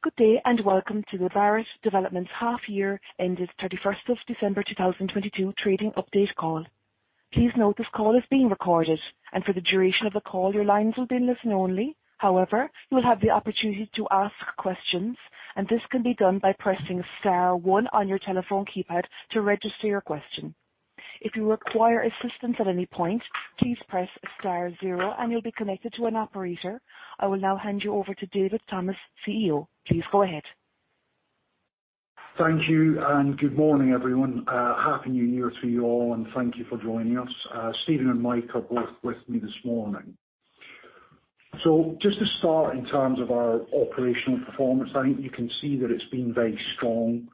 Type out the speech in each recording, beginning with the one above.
Good day, welcome to the Barratt Developments half year ended 31st of December 2022 trading update call. Please note this call is being recorded, for the duration of the call, your lines will be listen only. However, you will have the opportunity to ask questions, this can be done by pressing star one on your telephone keypad to register your question. If you require assistance at any point, please press star zero you'll be connected to an operator. I will now hand you over to David Thomas, CEO. Please go ahead. Thank you, and good morning, everyone. Happy new year to you all, and thank you for joining us. Steven and Mike are both with me this morning. Just to start, in terms of our operational performance, I think you can see that it's been very strong.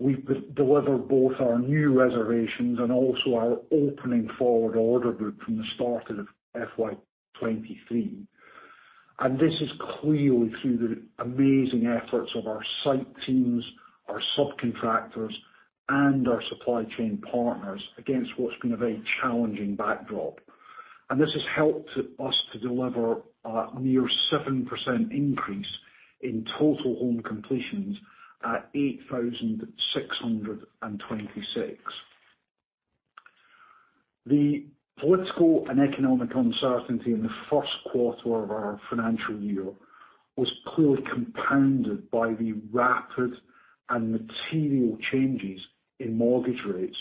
We've delivered both our new reservations and also our opening forward order book from the start of FY23. This is clearly through the amazing efforts of our site teams, our subcontractors, and our supply chain partners against what's been a very challenging backdrop. This has helped us to deliver a near 7% increase in total home completions at 8,626. The political and economic uncertainty in the first quarter of our financial year was poorly compounded by the rapid and material changes in mortgage rates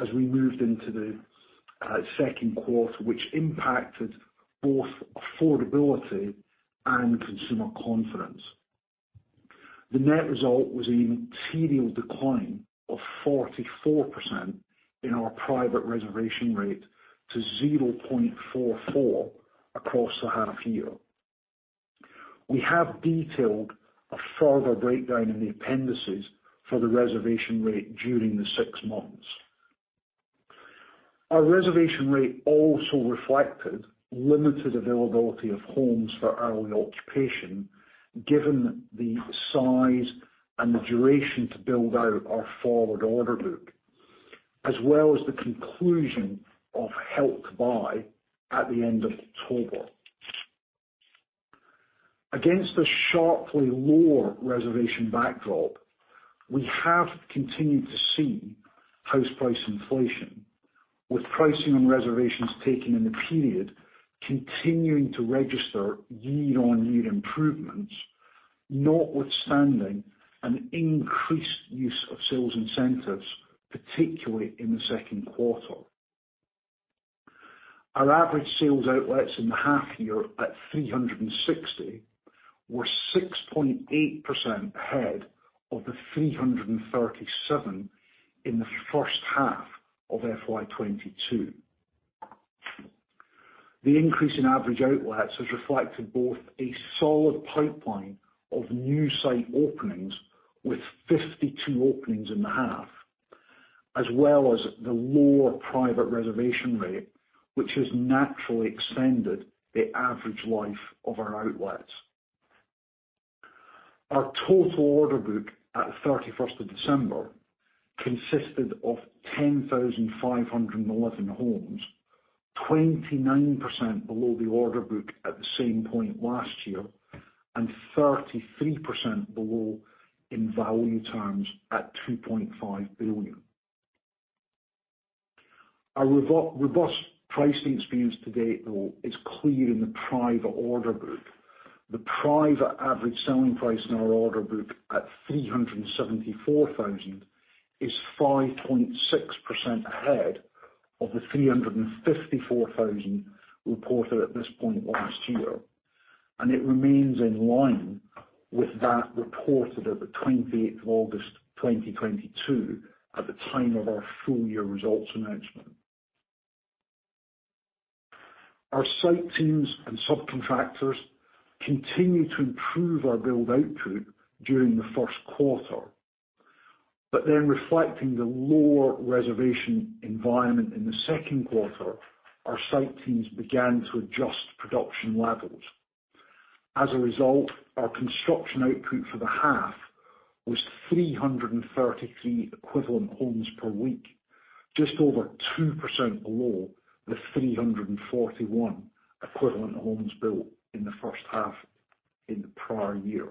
as we moved into the second quarter, which impacted both affordability and consumer confidence. The net result was a material decline of 44% in our private reservation rate to 0.44 across the half year. We have detailed a further breakdown in the appendices for the reservation rate during the six months. Our reservation rate also reflected limited availability of homes for early occupation, given the size and the duration to build out our forward order book, as well as the conclusion of Help to Buy at the end of October. Against the sharply lower reservation backdrop, we have continued to see house price inflation, with pricing and reservations taken in the period continuing to register year-on-year improvements, notwithstanding an increased use of sales incentives, particularly in the second quarter. Our average sales outlets in the half year at 360 were 6.8% ahead of the 337 in the first half of FY22. The increase in average outlets has reflected both a solid pipeline of new site openings with 52 openings in the half, as well as the lower private reservation rate, which has naturally extended the average life of our outlets. Our total order book at 31st of December consisted of 10,511 homes, 29% below the order book at the same point last year and 33% below in value terms at 2.5 billion. Our robust pricing experience to date, though, is clear in the private order book. The private average selling price in our order book at 374,000 is 5.6% ahead of the 354,000 reported at this point last year. It remains in line with that reported at the 28th of August 2022 at the time of our full year results announcement. Our site teams and subcontractors continued to improve our build output during the first quarter. Reflecting the lower reservation environment in the second quarter, our site teams began to adjust production levels. As a result, our construction output for the half was 333 equivalent homes per week, just over 2% below the 341 equivalent homes built in the first half in the prior year.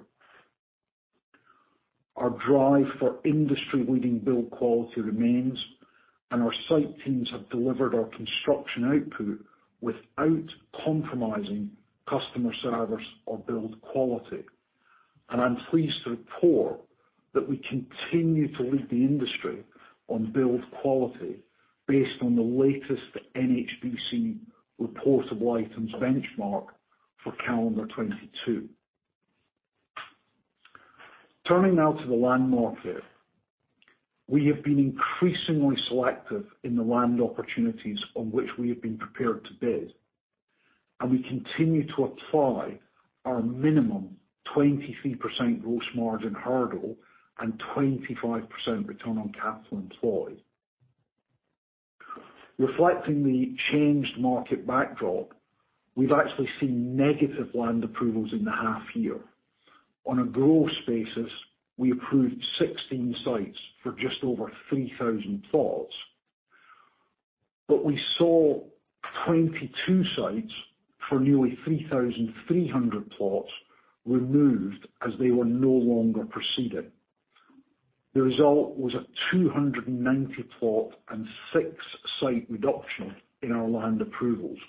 Our drive for industry-leading build quality remains. Our site teams have delivered our construction output without compromising customer service or build quality. I'm pleased to report that we continue to lead the industry on build quality based on the latest NHBC Reportable Items benchmark for calendar 2022. Turning now to the land market. We have been increasingly selective in the land opportunities on which we have been prepared to bid, and we continue to apply our minimum 23% gross margin hurdle and 25% Return on Capital Employed. Reflecting the changed market backdrop, we've actually seen negative land approvals in the half year. On a gross basis, we approved 16 sites for just over 3,000 plots. We saw 22 sites for nearly 3,300 plots removed as they were no longer proceeding. The result was a 290 plot and six site reduction in our land approvals.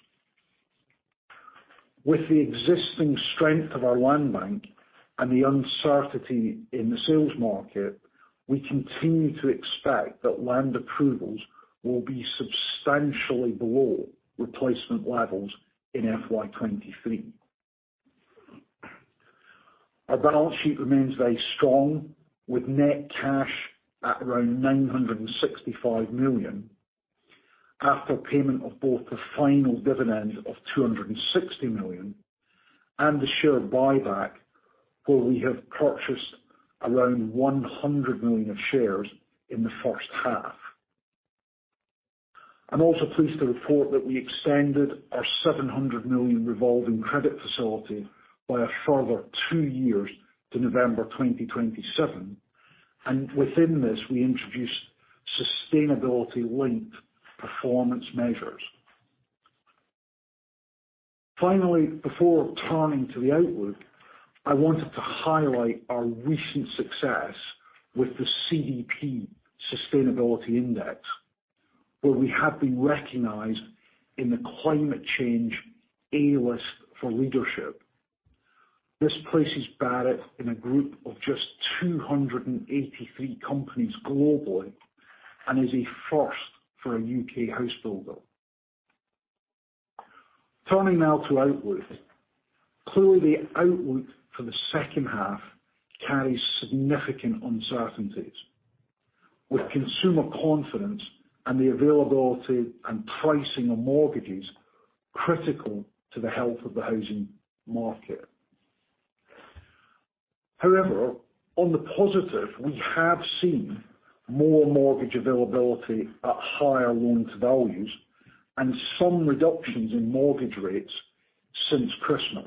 With the existing strength of our land bank and the uncertainty in the sales market, we continue to expect that land approvals will be substantially below replacement levels in FY23. Our balance sheet remains very strong, with net cash at around 965 million after payment of both the final dividend of 260 million and the share buyback, where we have purchased around 100 million of shares in the first half. I'm also pleased to report that we extended our 700 million revolving credit facility by a further two years to November 2027. Within this, we introduced sustainability-linked performance measures. Finally, before turning to the outlook, I wanted to highlight our recent success with the CDP Sustainability Index, where we have been recognized in the Climate Change A-list for leadership. This places Barratt in a group of just 283 companies globally and is a first for a UK house builder. Turning now to outlook. Clearly, outlook for the 2nd half carries significant uncertainties, with consumer confidence and the availability and pricing of mortgages critical to the health of the housing market. On the positive, we have seen more mortgage availability at higher loan to values and some reductions in mortgage rates since Christmas.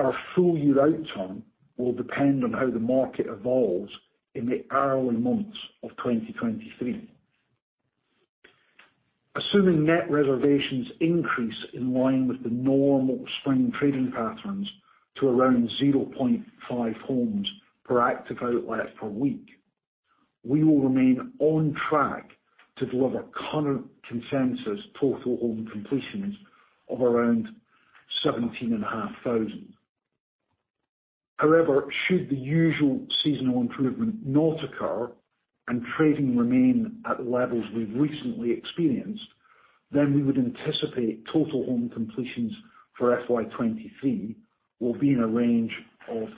Our full year outcome will depend on how the market evolves in the early months of 2023. Assuming net reservations increase in line with the normal spring trading patterns to around 0.5 homes per active outlet per week, we will remain on track to deliver current consensus total home completions of around 17,500. Should the usual seasonal improvement not occur and trading remain at levels we've recently experienced, then we would anticipate total home completions for FY 2023 will be in a range of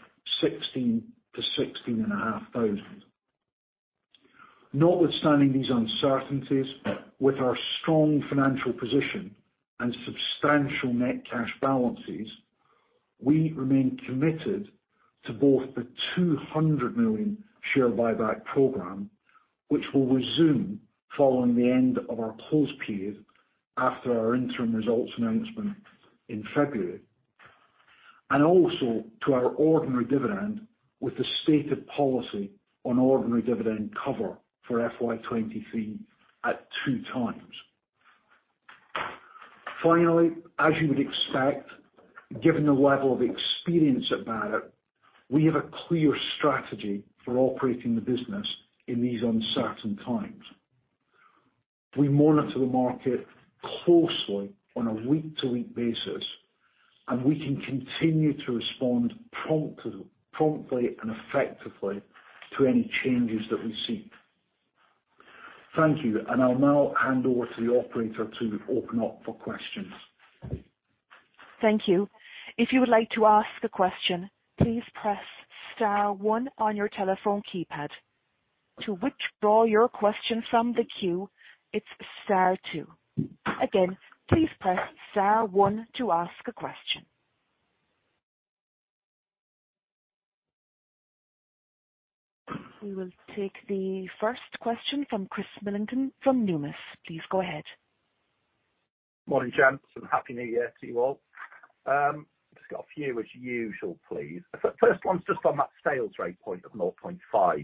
16,000-16,500. Not withstanding these uncertainties, with our strong financial position and substantial net cash balances, we remain committed to both the 200 million share buyback program, which will resume following the end of our close period after our interim results announcement in February, and also to our ordinary dividend with the stated policy on ordinary dividend cover for FY23 at 2x. As you would expect, given the level of experience at Barratt, we have a clear strategy for operating the business in these uncertain times. We monitor the market closely on a week-to-week basis, we can continue to respond promptly and effectively to any changes that we see. Thank you. I'll now hand over to the operator to open up for questions. Thank you. If you would like to ask a question, please press star one on your telephone keypad. To withdraw your question from the queue, it's star two. Again, please press star one to ask a question. We will take the first question from Chris Millington from Numis. Please go ahead. Morning, gents. Happy New Year to you all. Just got a few as usual, please. The first one's just on that sales rate point of 0.5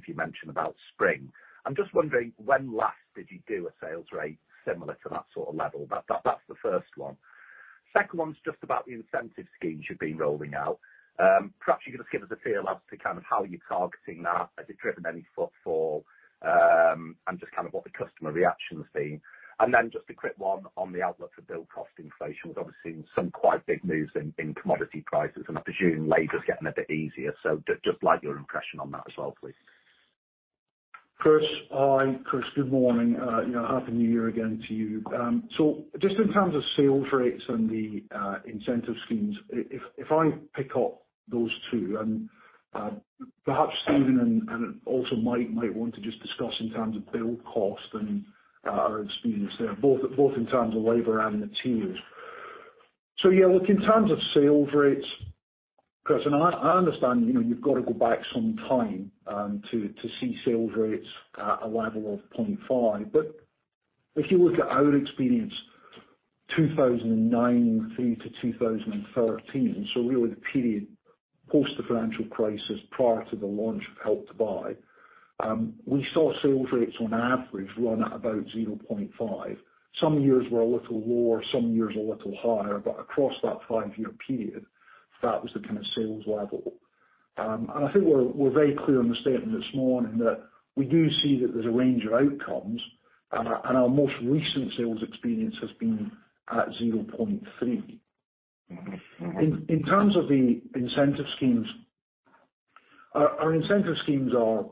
you mentioned about spring. I'm just wondering when last did you do a sales rate similar to that sort of level? That's the first one. Second one's just about the incentive schemes you've been rolling out. Perhaps you could just give us a feel as to kind of how you're targeting that. Has it driven any footfall? Just kind of what the customer reaction's been. Then just a quick one on the outlook for build cost inflation with obviously some quite big moves in commodity prices, and I presume labor's getting a bit easier. Just like your impression on that as well, please. Chris, hi. Chris, good morning. You know, Happy New Year again to you. Just in terms of sales rates and the incentive schemes, if I pick up those two and also Steven and Michael might want to just discuss in terms of build cost and our experience there, both in terms of labor and materials. Yeah, look, in terms of sales rates, Chris, I understand, you know, you've got to go back some time to see sales rates at a level of 0.5. If you look at our experience 2009 through to 2013, really the period post the financial crisis, prior to the launch of Help to Buy, we saw sales rates on average run at about 0.5. Some years were a little lower, some years a little higher, but across that five-year period, that was the kind of sales level. I think we're very clear in the statement this morning that we do see that there's a range of outcomes and our, and our most recent sales experience has been at 0.3. Mm-hmm. Mm-hmm. In terms of the incentive schemes, our incentive schemes are,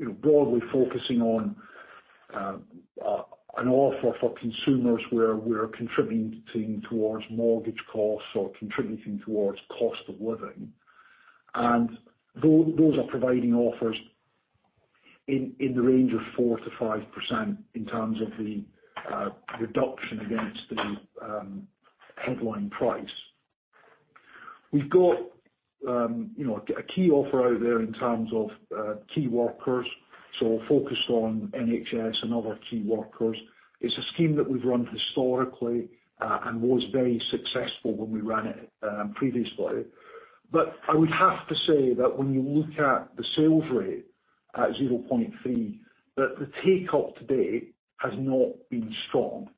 you know, broadly focusing on an offer for consumers where we're contributing towards mortgage costs or contributing towards cost of living. Those are providing offers in the range of 4%-5% in terms of the reduction against the headline price. We've got, you know, a key offer out there in terms of key workers, so focused on NHS and other key workers. It's a scheme that we've run historically and was very successful when we ran it previously. I would have to say that when you look at the sales rate at 0.3, that the take up to date has not been strong.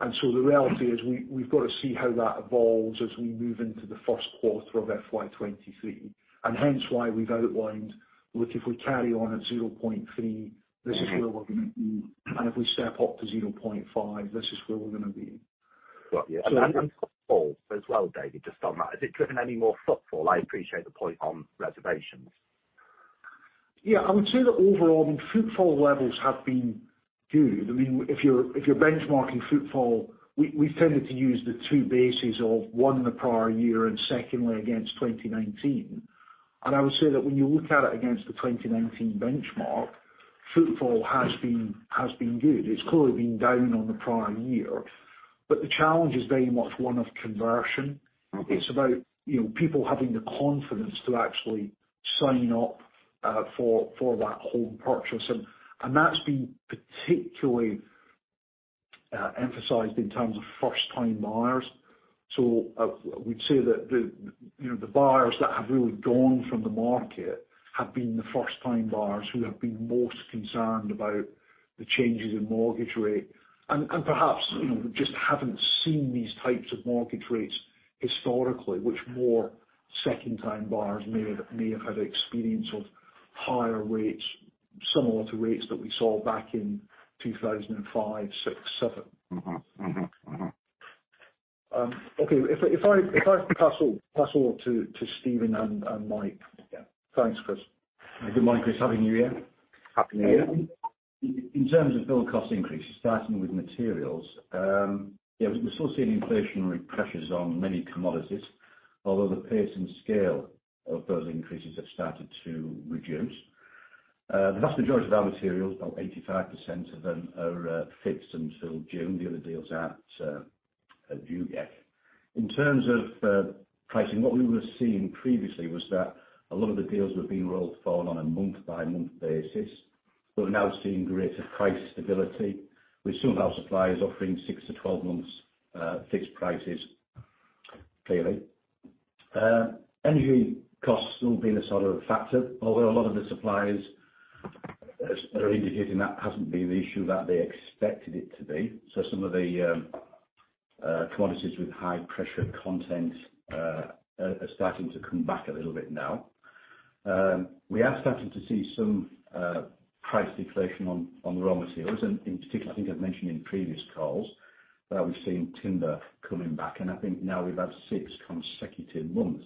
The reality is we've got to see how that evolves as we move into the first quarter of FY23. Hence why we've outlined, look, if we carry on at 0.3, this is where we're gonna be. If we step up to 0.5, this is where we're gonna be. Right, yeah. Footfall as well, David, just on that. Has it driven any more footfall? I appreciate the point on reservations. Yeah. I would say that overall, I mean, footfall levels have been good. I mean, if you're benchmarking footfall, we've tended to use the two bases of, one, the prior year, and secondly, against 2019. I would say that when you look at it against the 2019 benchmark, footfall has been good. It's clearly been down on the prior year. The challenge is very much one of conversion. Okay. It's about, you know, people having the confidence to actually sign up for that home purchase. That's been particularly emphasized in terms of first-time buyers. We'd say that the, you know, the buyers that have really gone from the market have been the first-time buyers who have been most concerned about the changes in mortgage rate. Perhaps, you know, just haven't seen these types of mortgage rates historically, which more second-time buyers may have had experience of higher rates, similar to rates that we saw back in 2005, 2006, 2007. Mm-hmm. Mm-hmm. Mm-hmm. Okay. If I pass all to Steven and Mike. Yeah. Thanks, Chris. Good morning, Chris. Happy New Year. Happy New Year. In terms of build cost increases, starting with materials, yeah, we still see an inflationary pressures on many commodities, although the pace and scale of those increases have started to reduce. The vast majority of our materials, about 85% of them are fixed until June. The other deals are at review yet. In terms of pricing, what we were seeing previously was that a lot of the deals were being rolled forward on a month by month basis. We're now seeing greater price stability, with some of our suppliers offering 6-12 months fixed prices clearly. Energy costs still being a sort of factor, although a lot of the suppliers are indicating that hasn't been the issue that they expected it to be. Some of the commodities with high pressure content are starting to come back a little bit now. We are starting to see some price deflation on raw materials. In particular, I think I've mentioned in previous calls that we've seen timber coming back, and I think now we've had six consecutive months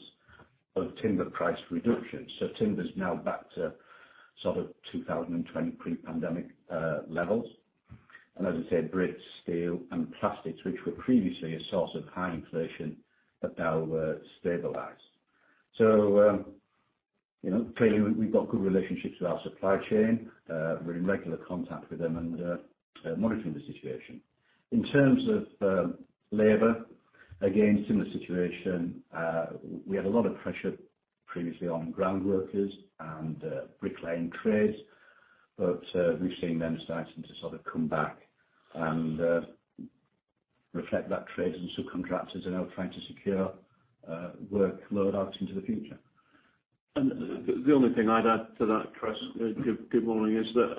of timber price reductions. Timber's now back to sort of 2020 pre-pandemic levels. As I said, bricks, steel and plastics, which were previously a source of high inflation are now stabilized. You know, clearly we've got good relationships with our supply chain. We're in regular contact with them and monitoring the situation. In terms of labor, again, similar situation. We had a lot of pressure previously on groundworkers and bricklaying trades, but we've seen them starting to sort of come back and reflect that trades and subcontractors are now trying to secure workload out into the future. The only thing I'd add to that, Chris, good morning, is that,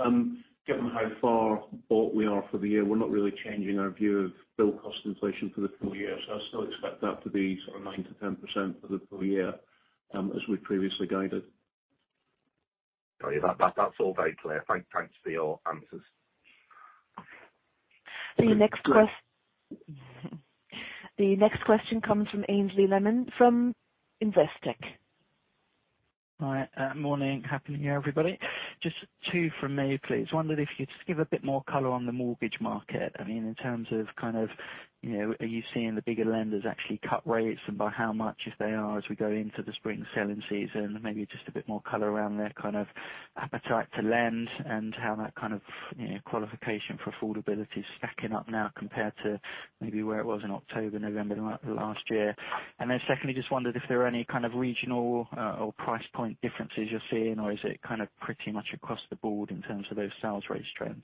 given how far bought we are for the year, we're not really changing our view of build cost inflation for the full year. I still expect that to be sort of 9%-10% for the full year, as we previously guided. Sorry about that. That's all very clear. Thanks for your answers. The next question comes from Aynsley Lammin from Investec. Hi. Morning. Happy New Year, everybody. Just two from me, please. Wondered if you'd just give a bit more color on the mortgage market. I mean, in terms of kind of, you know, are you seeing the bigger lenders actually cut rates and by how much if they are, as we go into the spring selling season? Maybe just a bit more color around their kind of appetite to lend and how that kind of, you know, qualification for affordability is stacking up now compared to maybe where it was in October, November of last year. Secondly, just wondered if there are any kind of regional, or price point differences you're seeing, or is it kind of pretty much across the board in terms of those sales rate trends?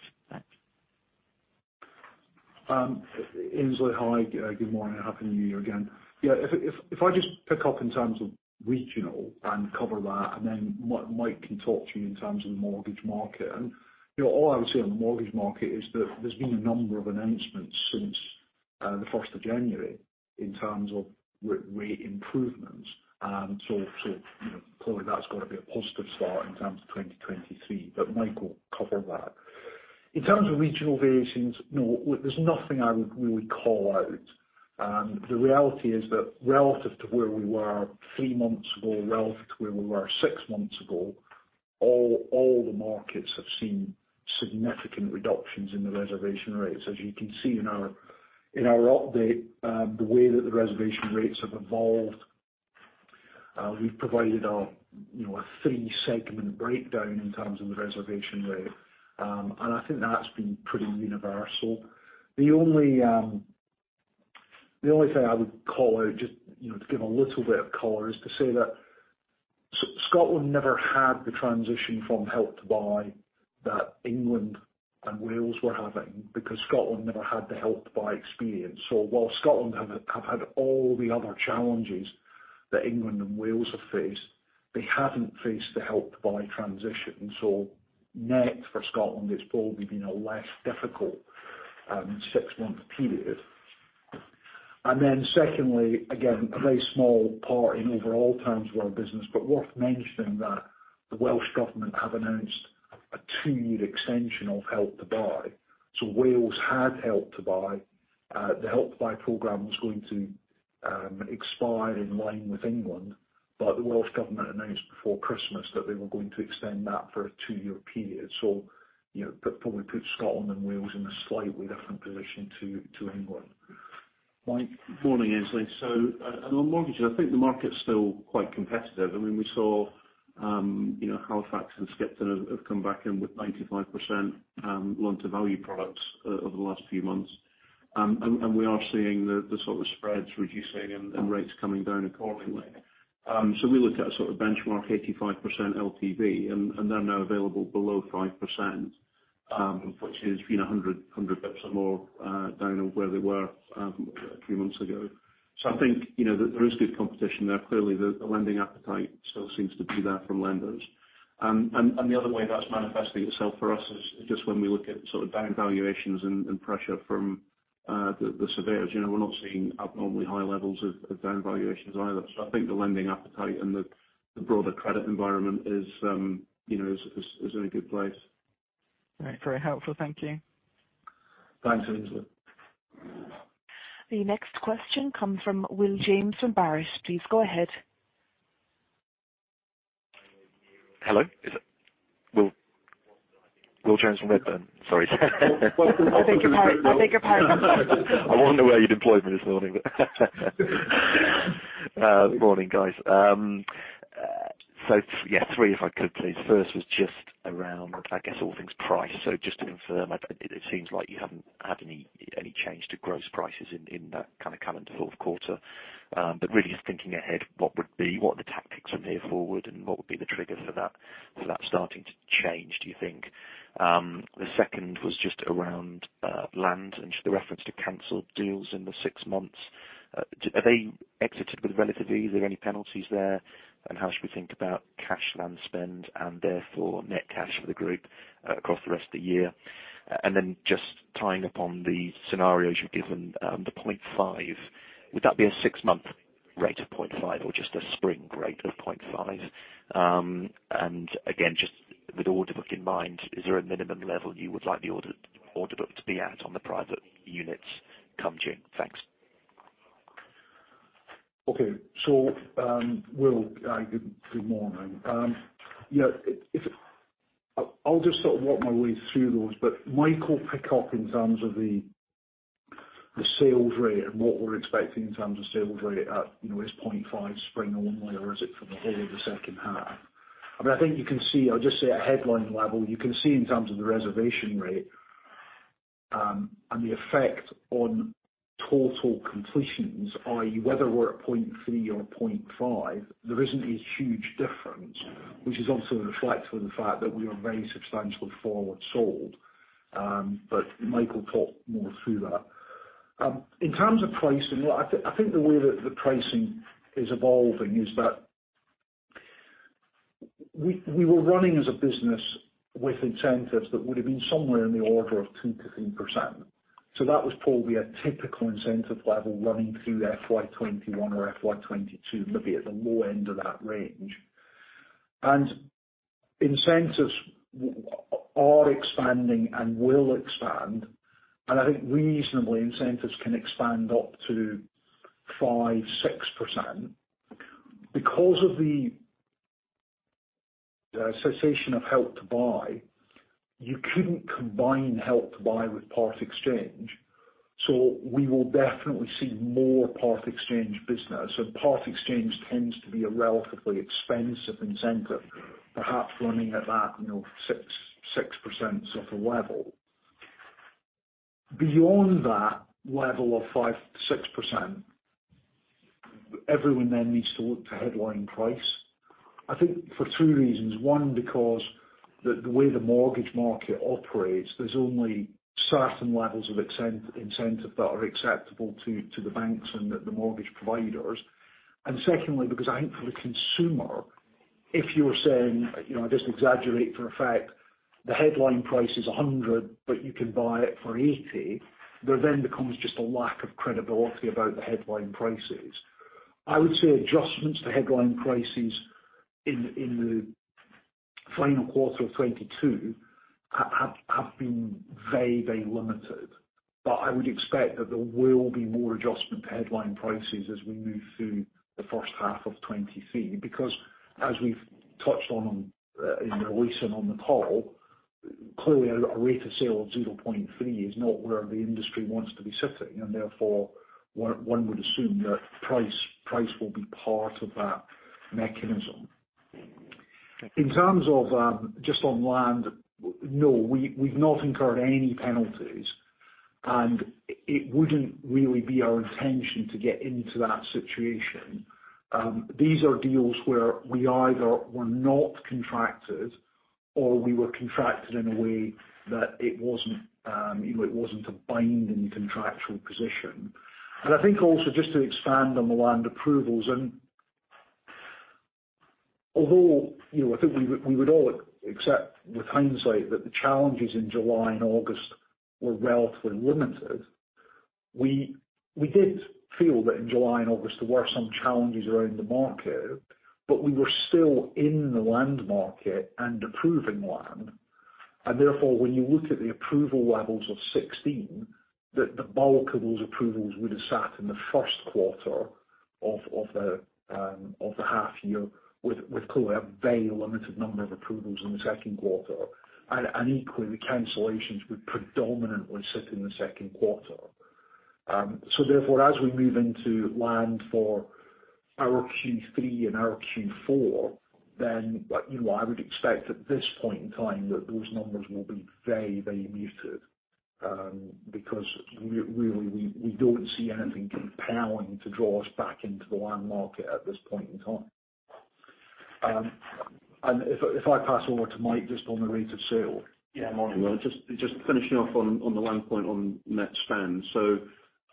Aynsley, hi. Good morning, and happy New Year again. Yeah, if I just pick up in terms of regional and cover that, and then Mike can talk to you in terms of the mortgage market. You know, all I would say on the mortgage market is that there's been a number of announcements since the first of January in terms of rate improvements. You know, clearly that's gotta be a positive start in terms of 2023. Mike will cover that. In terms of regional variations, no, there's nothing I would really call out. The reality is that relative to where we were three months ago, relative to where we were six months ago, all the markets have seen significant reductions in the reservation rates. As you can see in our update, the way that the reservation rates have evolved, we've provided a, you know, a three-segment breakdown in terms of the reservation rate. I think that's been pretty universal. The only thing I would call out, just, you know, to give a little bit of color, is to say that Scotland never had the transition from Help to Buy that England and Wales were having because Scotland never had the Help to Buy experience. While Scotland have had all the other challenges that England and Wales have faced, they haven't faced the Help to Buy transition. Net for Scotland, it's probably been a less difficult six-month period. Secondly, again, a very small part in overall terms of our business, but worth mentioning that the Welsh Government have announced a 2-year extension of Help to Buy. Wales had Help to Buy. The Help to Buy program was going to expire in line with England, but the Welsh Government announced before Christmas that they were going to extend that for a 2-year period. You know, that probably puts Scotland and Wales in a slightly different position to England. Mike? Morning, Aynsley. On mortgages, I think the market's still quite competitive. I mean, we saw, you know, Halifax and Skipton have come back in with 95% loan-to-value products over the last few months. We are seeing the sort of spreads reducing and rates coming down accordingly. We look at a sort of benchmark 85% LTV, and they're now available below 5%, which is, you know, 100 bps or more down on where they were a few months ago. I think, you know, there is good competition there. Clearly the lending appetite still seems to be there from lenders. The other way that's manifesting itself for us is just when we look at sort of down valuations and pressure from the surveyors. You know, we're not seeing abnormally high levels of down valuations either. I think the lending appetite and the broader credit environment is, you know, is in a good place. Right. Very helpful. Thank you. Thanks, Aynsley. The next question comes from Will Jones from Barclays. Please go ahead. Hello. Is it Will Jones from Redburn? Sorry. Welcome to the party. I beg your pardon. I wonder where you deployed me this morning. Morning, guys. Yeah, three if I could please. First was just around, I guess all things price. Just to confirm, it seems like you haven't had any change to gross prices in the kind of calendar fourth quarter. Really just thinking ahead, what are the tactics from here forward, and what would be the trigger for that starting to change, do you think? The second was just around land and the reference to canceled deals in the six months. Are they exited with relatively, is there any penalties there? How should we think about cash land spend and therefore net cash for the group across the rest of the year? Just tying up on the scenarios you've given, the 0.5, would that be a 6-month rate of 0.5 or just a spring rate of 0.5? Again, just with order book in mind, is there a minimum level you would like the order book to be at on the private units come June? Thanks. Okay. Will, good morning. Yeah, if I'll just sort of work my way through those, Mike will pick up in terms of the sales rate and what we're expecting in terms of sales rate at, you know, is 0.5 spring only or is it for the whole of the second half? I mean, I think you can see, I'll just say at headline level, you can see in terms of the reservation rate, and the effect on total completions, i.e., whether we're at 0.3 or 0.5, there isn't a huge difference, which is also reflective of the fact that we are very substantially forward sold. Mike will talk more through that. In terms of pricing, well, I think the way that the pricing is evolving is that we were running as a business with incentives that would have been somewhere in the order of 2%-3%. That was probably a typical incentive level running through FY21 or FY22, maybe at the low end of that range. Incentives are expanding and will expand, and I think reasonably incentives can expand up to 5%-6%. Because of the cessation of Help to Buy, you couldn't combine Help to Buy with part exchange. We will definitely see more part exchange business, and part exchange tends to be a relatively expensive incentive, perhaps running at that, you know, 6% sort of level. Beyond that level of 5%-6%, everyone then needs to look to headline price, I think for 2 reasons. One, because the way the mortgage market operates, there's only certain levels of incentive that are acceptable to the banks and the mortgage providers. Secondly, because I think for the consumer, if you're saying, you know, I just exaggerate for a fact, the headline price is 100, but you can buy it for 80, there then becomes just a lack of credibility about the headline prices. I would say adjustments to headline prices in the final quarter of 2022 have been very limited. I would expect that there will be more adjustment to headline prices as we move through the first half of 2023. As we've touched on, in the recent on the call, clearly a rate of sale of 0.3 is not where the industry wants to be sitting, and therefore one would assume that price will be part of that mechanism. In terms of, just on land, no, we've not incurred any penalties, and it wouldn't really be our intention to get into that situation. These are deals where we either were not contracted or we were contracted in a way that it wasn't, you know, it wasn't a binding contractual position. I think also just to expand on the land approvals and... Although, you know, I think we would all accept with hindsight that the challenges in July and August were relatively limited. We did feel that in July and August there were some challenges around the market, we were still in the land market and approving land. Therefore, when you look at the approval levels of 16, the bulk of those approvals would've sat in the first quarter of the half year with clearly a very limited number of approvals in the second quarter. Equally, the cancellations would predominantly sit in the second quarter. Therefore, as we move into land for our Q3 and our Q4, then, you know, I would expect at this point in time that those numbers will be very, very muted, because really, we don't see anything compelling to draw us back into the land market at this point in time. If I pass over to Mike just on the rate of sale. Yeah, morning. Well, just finishing off on the land point on net spend.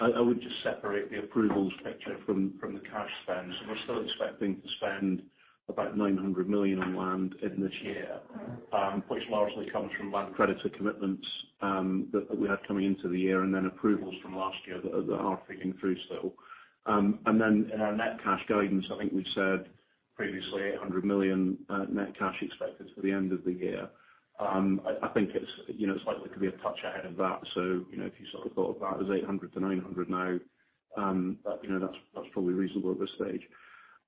I would just separate the approvals picture from the cash spend. We're still expecting to spend about 900 million on land in this year, which largely comes from land creditor commitments that we had coming into the year, and then approvals from last year that are feeding through still. In our net cash guidance, I think we've said previously 800 million net cash expected for the end of the year. I think it's, you know, slightly could be a touch ahead of that. If you sort of thought of that as 800 million-900 million now, that, you know, that's probably reasonable at this stage.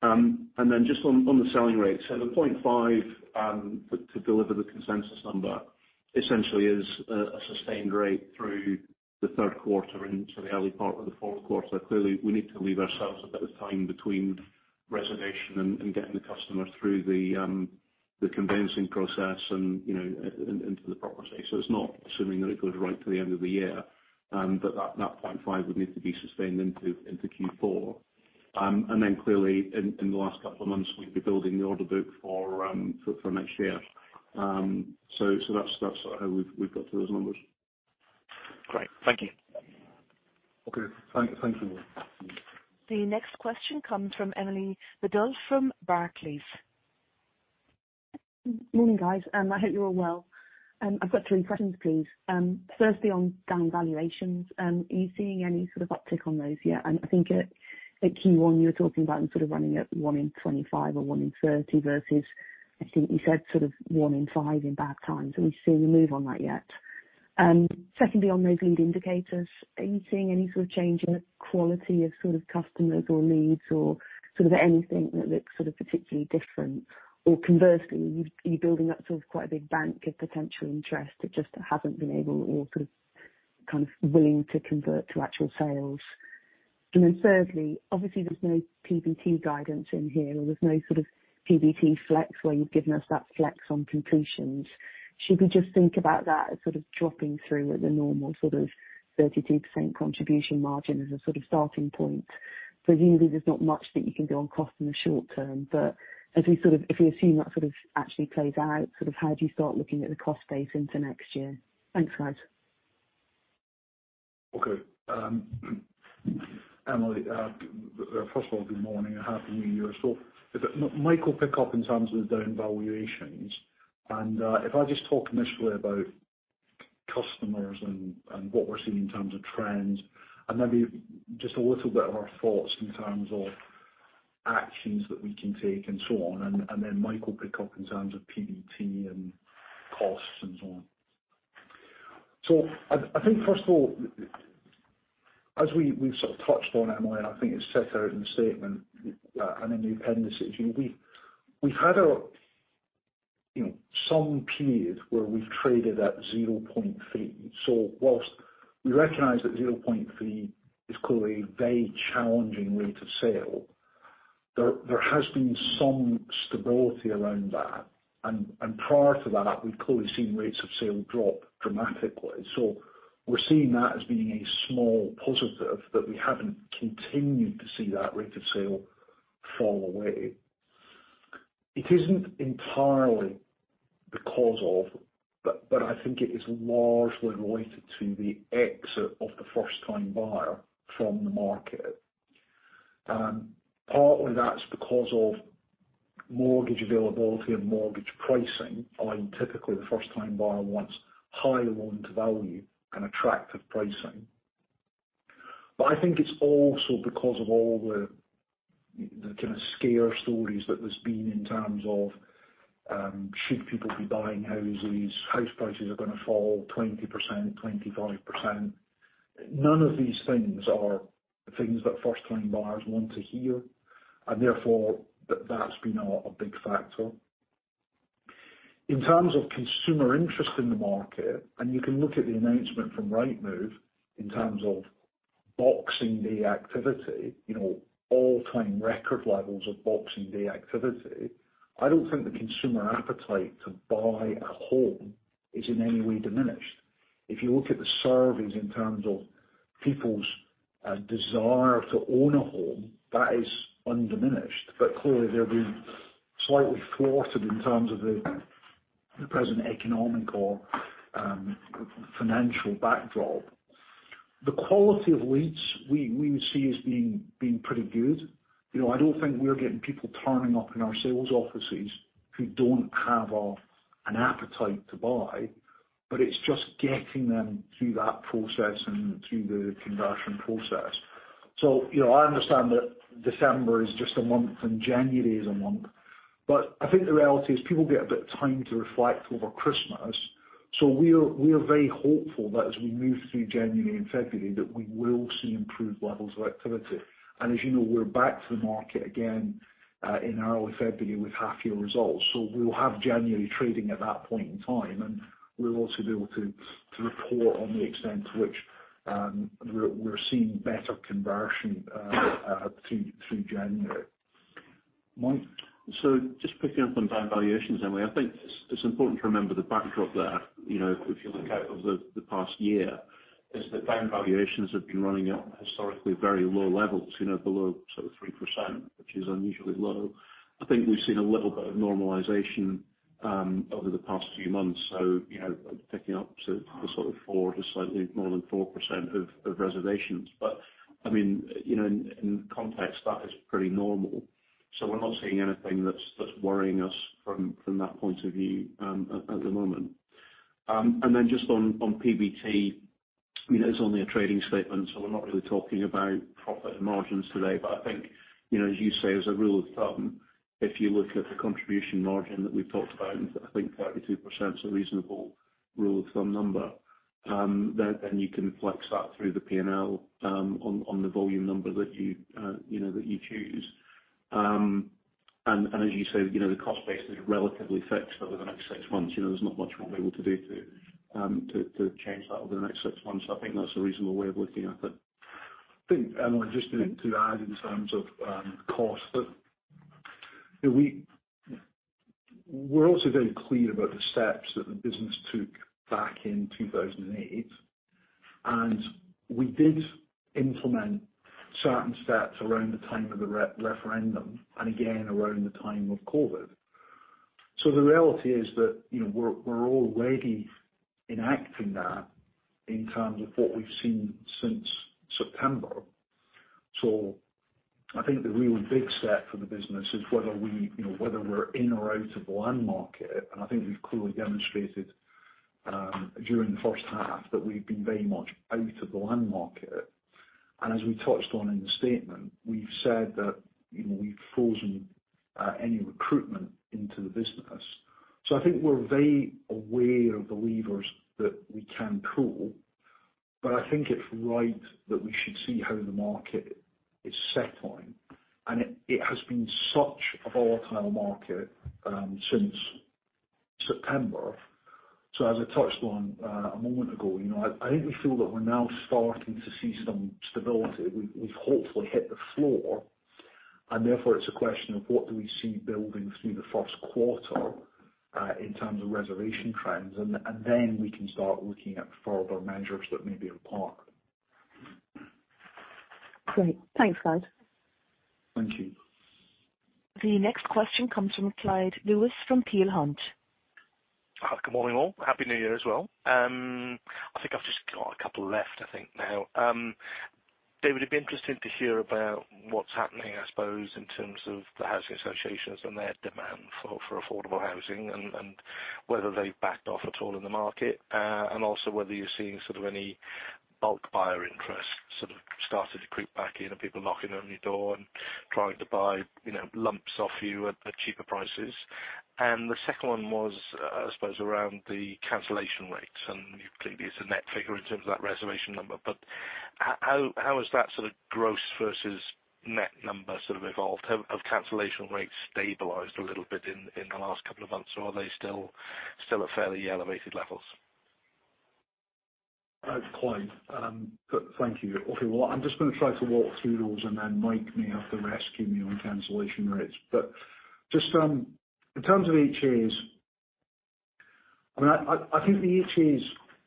Then just on the selling rate. The 0.5 to deliver the consensus number essentially is a sustained rate through the 3rd quarter into the early part of the 4th quarter. Clearly, we need to leave ourselves a bit of time between reservation and getting the customer through the conveyancing process and, you know, into the property. It's not assuming that it goes right to the end of the year, but that 0.5 would need to be sustained into Q4. Then clearly in the last couple of months, we'd be building the order book for next year. That's sort of how we've got to those numbers. Great. Thank you. Okay. Thank you. The next question comes from Emily Bédel, from Barclays. Morning, guys, I hope you're all well. I've got three questions, please. Firstly, on down valuations, are you seeing any sort of uptick on those yet? I think at Q1 you were talking about them sort of running at 1 in 25 or 1 in 30 versus I think you said sort of one in five in bad times. Are we seeing a move on that yet? Secondly, on those lead indicators, are you seeing any sort of change in the quality of sort of customers or leads or sort of anything that looks sort of particularly different? Or conversely, are you building up sort of quite a big bank of potential interest that just hasn't been able or sort of, kind of willing to convert to actual sales? Thirdly, obviously there's no PBT guidance in here, or there's no sort of PBT flex where you've given us that flex on completions. Should we just think about that as sort of dropping through at the normal sort of 32% contribution margin as a sort of starting point? Presumably there's not much that you can do on cost in the short term, but as we if we assume that sort of actually plays out, sort of how do you start looking at the cost base into next year? Thanks, guys. Okay. Emily, first of all, good morning and Happy New Year. Mike will pick up in terms of the down valuations, and if I just talk initially about customers and what we're seeing in terms of trends, and maybe just a little bit of our thoughts in terms of actions that we can take and so on, and then Mike will pick up in terms of PBT and costs and so on. I think first of all, as we've sort of touched on, Emily, and I think it's set out in the statement, and in the appendixes, we've had a, you know, some period where we've traded at 0.3. Whilst we recognize that 0.3 is clearly a very challenging rate of sale. There has been some stability around that. Prior to that, we've clearly seen rates of sale drop dramatically. We're seeing that as being a small positive that we haven't continued to see that rate of sale fall away. It isn't entirely the cause of, but I think it is largely related to the exit of the first-time buyer from the market. Partly that's because of mortgage availability and mortgage pricing. I mean, typically, the first-time buyer wants higher loan-to-value and attractive pricing. I think it's also because of all the kind of scare stories that there's been in terms of, should people be buying houses, house prices are gonna fall 20%, 25%. None of these things are things that first-time buyers want to hear, and therefore that's been a big factor. In terms of consumer interest in the market, and you can look at the announcement from Rightmove in terms of Boxing Day activity, you know, all-time record levels of Boxing Day activity. I don't think the consumer appetite to buy a home is in any way diminished. If you look at the surveys in terms of people's desire to own a home, that is undiminished. Clearly, they're being slightly thwarted in terms of the present economic or financial backdrop. The quality of leads we would see as being pretty good. You know, I don't think we're getting people turning up in our sales offices who don't have an appetite to buy, but it's just getting them through that process and through the conversion process. You know, I understand that December is just a month and January is a month, but I think the reality is people get a bit of time to reflect over Christmas. We're very hopeful that as we move through January and February, that we will see improved levels of activity. As you know, we're back to the market again in early February with half year results. We'll have January trading at that point in time, and we'll also be able to report on the extent to which we're seeing better conversion through January. Mike? Just picking up on down valuations anyway. I think it's important to remember the backdrop there. You know, if you look out over the past year, is that down valuations have been running at historically very low levels, you know, below sort of 3%, which is unusually low. I think we've seen a little bit of normalization over the past few months. You know, picking up to the sort of 4% to slightly more than 4% of reservations. I mean, you know, in context that is pretty normal. We're not seeing anything that's worrying us from that point of view at the moment. Just on PBT, you know, it's only a trading statement, so we're not really talking about profit margins today. I think, you know, as you say, as a rule of thumb, if you look at the contribution margin that we've talked about, I think 32% is a reasonable rule of thumb number. Then you can flex that through the P&L on the volume number that you know, that you choose. And as you say, you know, the cost base is relatively fixed over the next six months. You know, there's not much we're able to do to change that over the next six months. I think that's a reasonable way of looking at it. I think, Emily, just to add in terms of cost that, you know, We're also very clear about the steps that the business took back in 2008. We did implement certain steps around the time of the referendum and again around the time of COVID. The reality is that, you know, we're already enacting that in terms of what we've seen since September. I think the real big step for the business is whether we, you know, whether we're in or out of the land market, and I think we've clearly demonstrated during the first half that we've been very much out of the land market. As we touched on in the statement, we've said that, you know, we've frozen any recruitment into the business. I think we're very aware of the levers that we can pull. I think it's right that we should see how the market is settling, and it has been such a volatile market since September. As I touched on a moment ago, you know, I think we feel that we're now starting to see some stability. We've hopefully hit the floor, and therefore it's a question of what do we see building through the first quarter in terms of reservation trends, and then we can start looking at further measures that may be required. Great. Thanks, guys. Thank you. The next question comes from Clyde Lewis from Peel Hunt. Good morning, all. Happy New Year as well. I think I've just got a couple left, I think now. David, it'd be interesting to hear about what's happening, I suppose, in terms of the housing associations and their demand for affordable housing and whether they've backed off at all in the market. Also, whether you're seeing sort of any bulk buyer interest sort of started to creep back in and people knocking on your door and trying to buy, you know, lumps off you at cheaper prices. The second one was, I suppose, around the cancellation rates, and clearly it's a net figure in terms of that reservation number. How has that sort of gross versus net number sort of evolved? Have cancellation rates stabilized a little bit in the last couple of months, or are they still at fairly elevated levels? Clyde, thank you. Well, I'm just gonna try to walk through those and then Mike may have to rescue me on cancellation rates. In terms of HAs, I mean, I, I think the HAs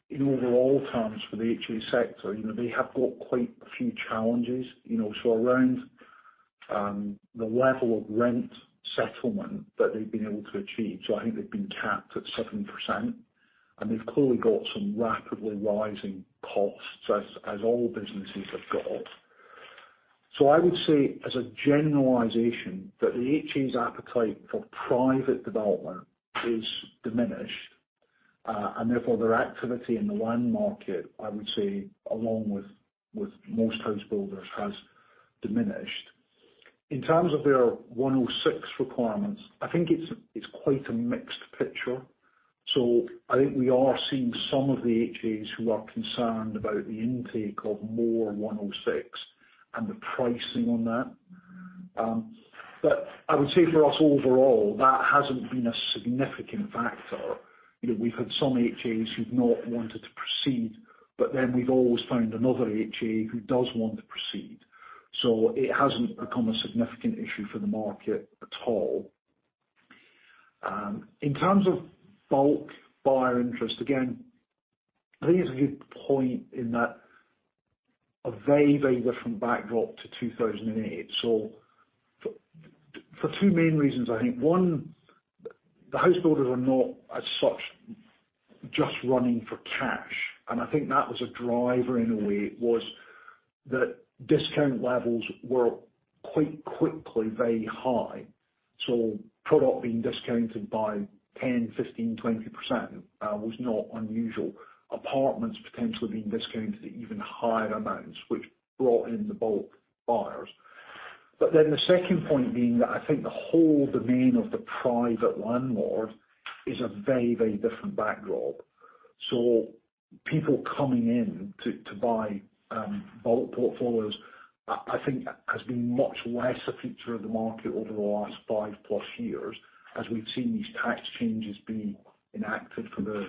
in overall terms for the HA sector, you know, they have got quite a few challenges, you know. Around the level of rent settlement that they've been able to achieve. I think they've been capped at 7%, and they've clearly got some rapidly rising costs as all businesses have got. I would say, as a generalization, that the HA's appetite for private development is diminished, and therefore their activity in the land market, I would say, along with most housebuilders, has diminished. In terms of their one oh six requirements, I think it's quite a mixed picture. I think we are seeing some of the HAs who are concerned about the intake of more 106 and the pricing on that. I would say for us overall, that hasn't been a significant factor. You know, we've had some HAs who've not wanted to proceed, but then we've always found another HA who does want to proceed. It hasn't become a significant issue for the market at all. In terms of bulk buyer interest, again, I think it's a good point in that a very different backdrop to 2008. For two main reasons, I think. One, the house builders are not as such just running for cash, and I think that was a driver in a way was that discount levels were quite quickly very high. Product being discounted by 10%, 15%, 20%, was not unusual. Apartments potentially being discounted at even higher amounts, which brought in the bulk buyers. The second point being that I think the whole domain of the private landlord is a very, very different backdrop. People coming in to buy bulk portfolios, I think has been much less a feature of the market over the last 5+ years as we've seen these tax changes being enacted for the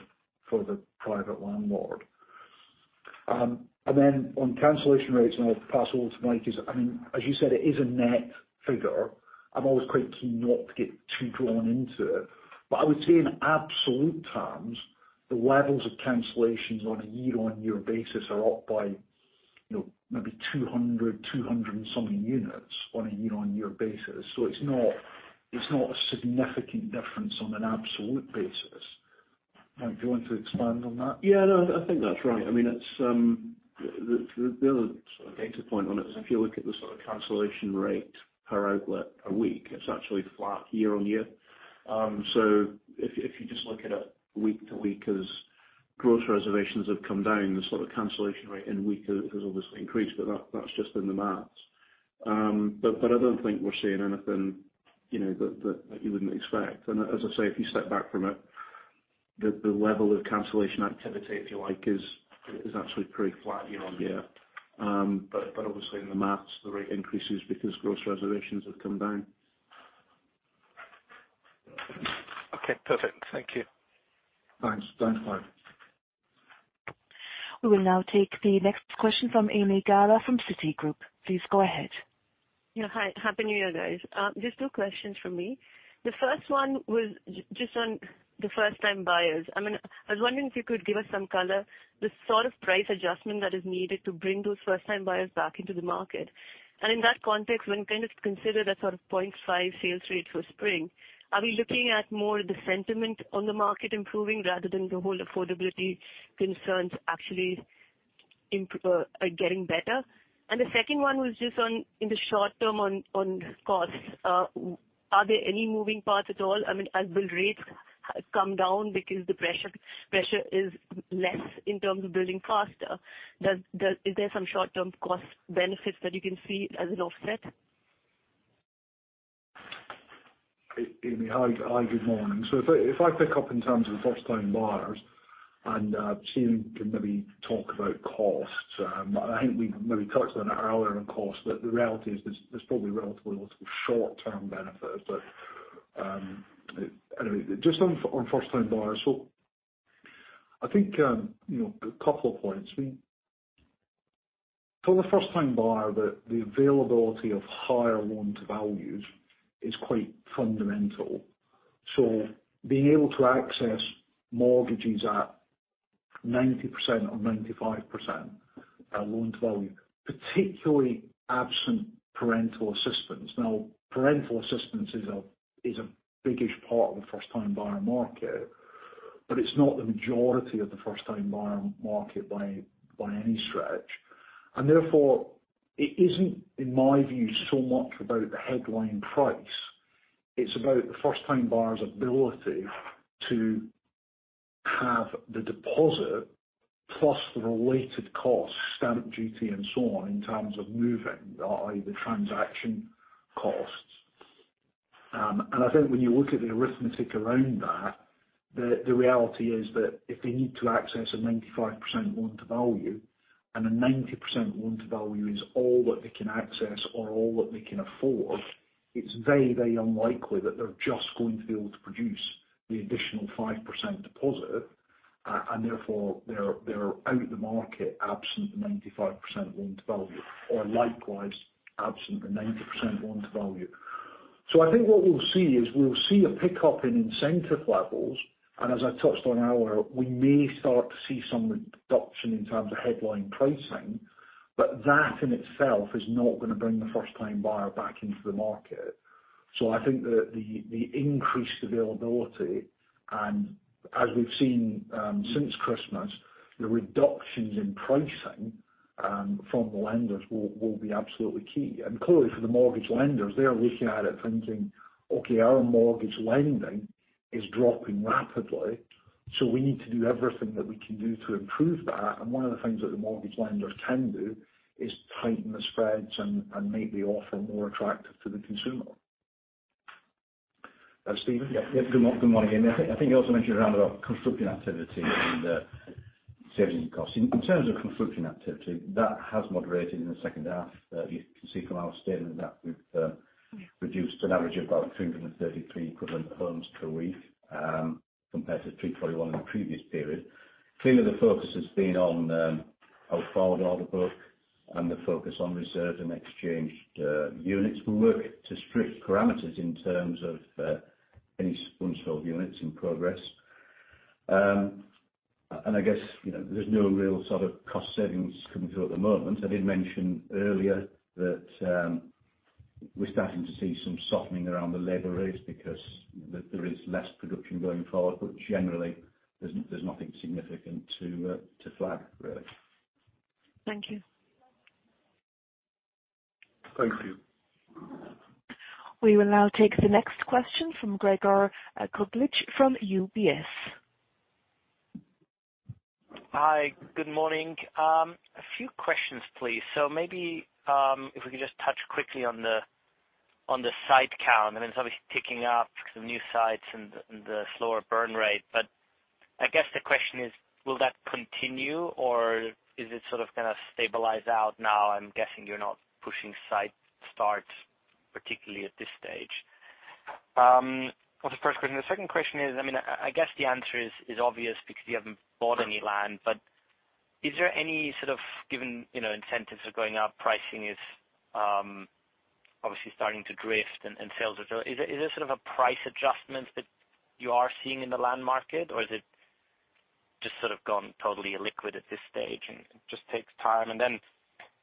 private landlord. On cancellation rates, and I'll pass over to Mike, is I mean, as you said, it is a net figure. I'm always quite keen not to get too drawn into it. I would say in absolute terms, the levels of cancellations on a year-on-year basis are up by, you know, maybe 200 and something units on a year-on-year basis. It's not, it's not a significant difference on an absolute basis. Mike, do you want to expand on that? No, I think that's right. I mean, it's the other sort of data point on it is if you look at the sort of cancellation rate per outlet a week, it's actually flat year-on-year. If you just look at it week-to-week as gross reservations have come down, the sort of cancellation rate in a week has obviously increased, but that's just in the maths. I don't think we're seeing anything, you know, that you wouldn't expect. As I say, if you step back from it, the level of cancellation activity, if you like, is actually pretty flat year-on-year. Obviously in the math, the rate increases because gross reservations have come down. Okay, perfect. Thank you. Thanks. Thanks, Clyde. We will now take the next question from Ami Galla from Citigroup. Please go ahead. Yeah, hi. Happy New Year, guys. Just two questions from me. The first one was just on the first time buyers. I mean, I was wondering if you could give us some color, the sort of price adjustment that is needed to bring those first time buyers back into the market. In that context, when kind of consider that sort of 0.5 sales rate for spring, are we looking at more the sentiment on the market improving rather than the whole affordability concerns actually getting better? The second one was just on in the short term on costs. Are there any moving parts at all? I mean, as build rates come down because the pressure is less in terms of building faster, is there some short-term cost benefits that you can see as an offset? Ami Galla, hi. Hi, good morning. If I, if I pick up in terms of first time buyers and Sean can maybe talk about costs. I think we maybe touched on it earlier on costs, but the reality is there's probably relatively little short-term benefit. Anyway, just on first time buyers. I think, you know, a couple of points. For the first time buyer, the availability of higher loan-to-values is quite fundamental. Being able to access mortgages at 90% or 95% loan to value, particularly absent parental assistance. Parental assistance is a biggish part of the first time buyer market, but it's not the majority of the first time buyer market by any stretch. Therefore, it isn't, in my view, so much about the headline price. It's about the first time buyer's ability to have the deposit plus the related costs, stamp duty and so on, in terms of moving, i.e. the transaction costs. I think when you look at the arithmetic around that, the reality is that if they need to access a 95% loan to value. A 90% loan to value is all that they can access or all that they can afford. It's very, very unlikely that they're just going to be able to produce the additional 5% deposit, and therefore they're out of the market absent the 95% loan to value, or likewise, absent the 90% loan to value. I think what we'll see is we'll see a pickup in incentive levels, and as I touched on earlier, we may start to see some reduction in terms of headline pricing, but that in itself is not going to bring the first-time buyer back into the market. I think the increased availability and as we've seen since Christmas, the reductions in pricing from the lenders will be absolutely key. Clearly, for the mortgage lenders, they are looking at it thinking, "Okay, our mortgage lending is dropping rapidly, so we need to do everything that we can do to improve that." One of the things that the mortgage lenders can do is tighten the spreads and make the offer more attractive to the consumer. Steven? Yeah. Good morning. I think, I think you also mentioned around about construction activity and savings and costs. In terms of construction activity, that has moderated in the second half. You can see from our statement that we've reduced an average of about 333 equivalent homes per week, compared to 341 in the previous period. Clearly, the focus has been on how far along the book and the focus on reserves and exchanged units. We work to strict parameters in terms of any units in progress. I guess, you know, there's no real sort of cost savings coming through at the moment. I did mention earlier that we're starting to see some softening around the labor rates because there is less production going forward, but generally, there's nothing significant to flag, really. Thank you. Thank you. We will now take the next question from Gregor Kuglitsch from UBS. Hi. Good morning. A few questions, please. Maybe, if we could just touch quickly on the site count. I mean, it's obviously ticking up because of new sites and the slower burn rate. I guess the question is, will that continue or is it sort of gonna stabilize out now? I'm guessing you're not pushing site starts, particularly at this stage. That was the first question. The second question is, I mean, I guess the answer is obvious because you haven't bought any land. Given, you know, incentives are going up, pricing is obviously starting to drift and sales are slow, is there sort of a price adjustment that you are seeing in the land market? Is it just sort of gone totally illiquid at this stage, and it just takes time? Then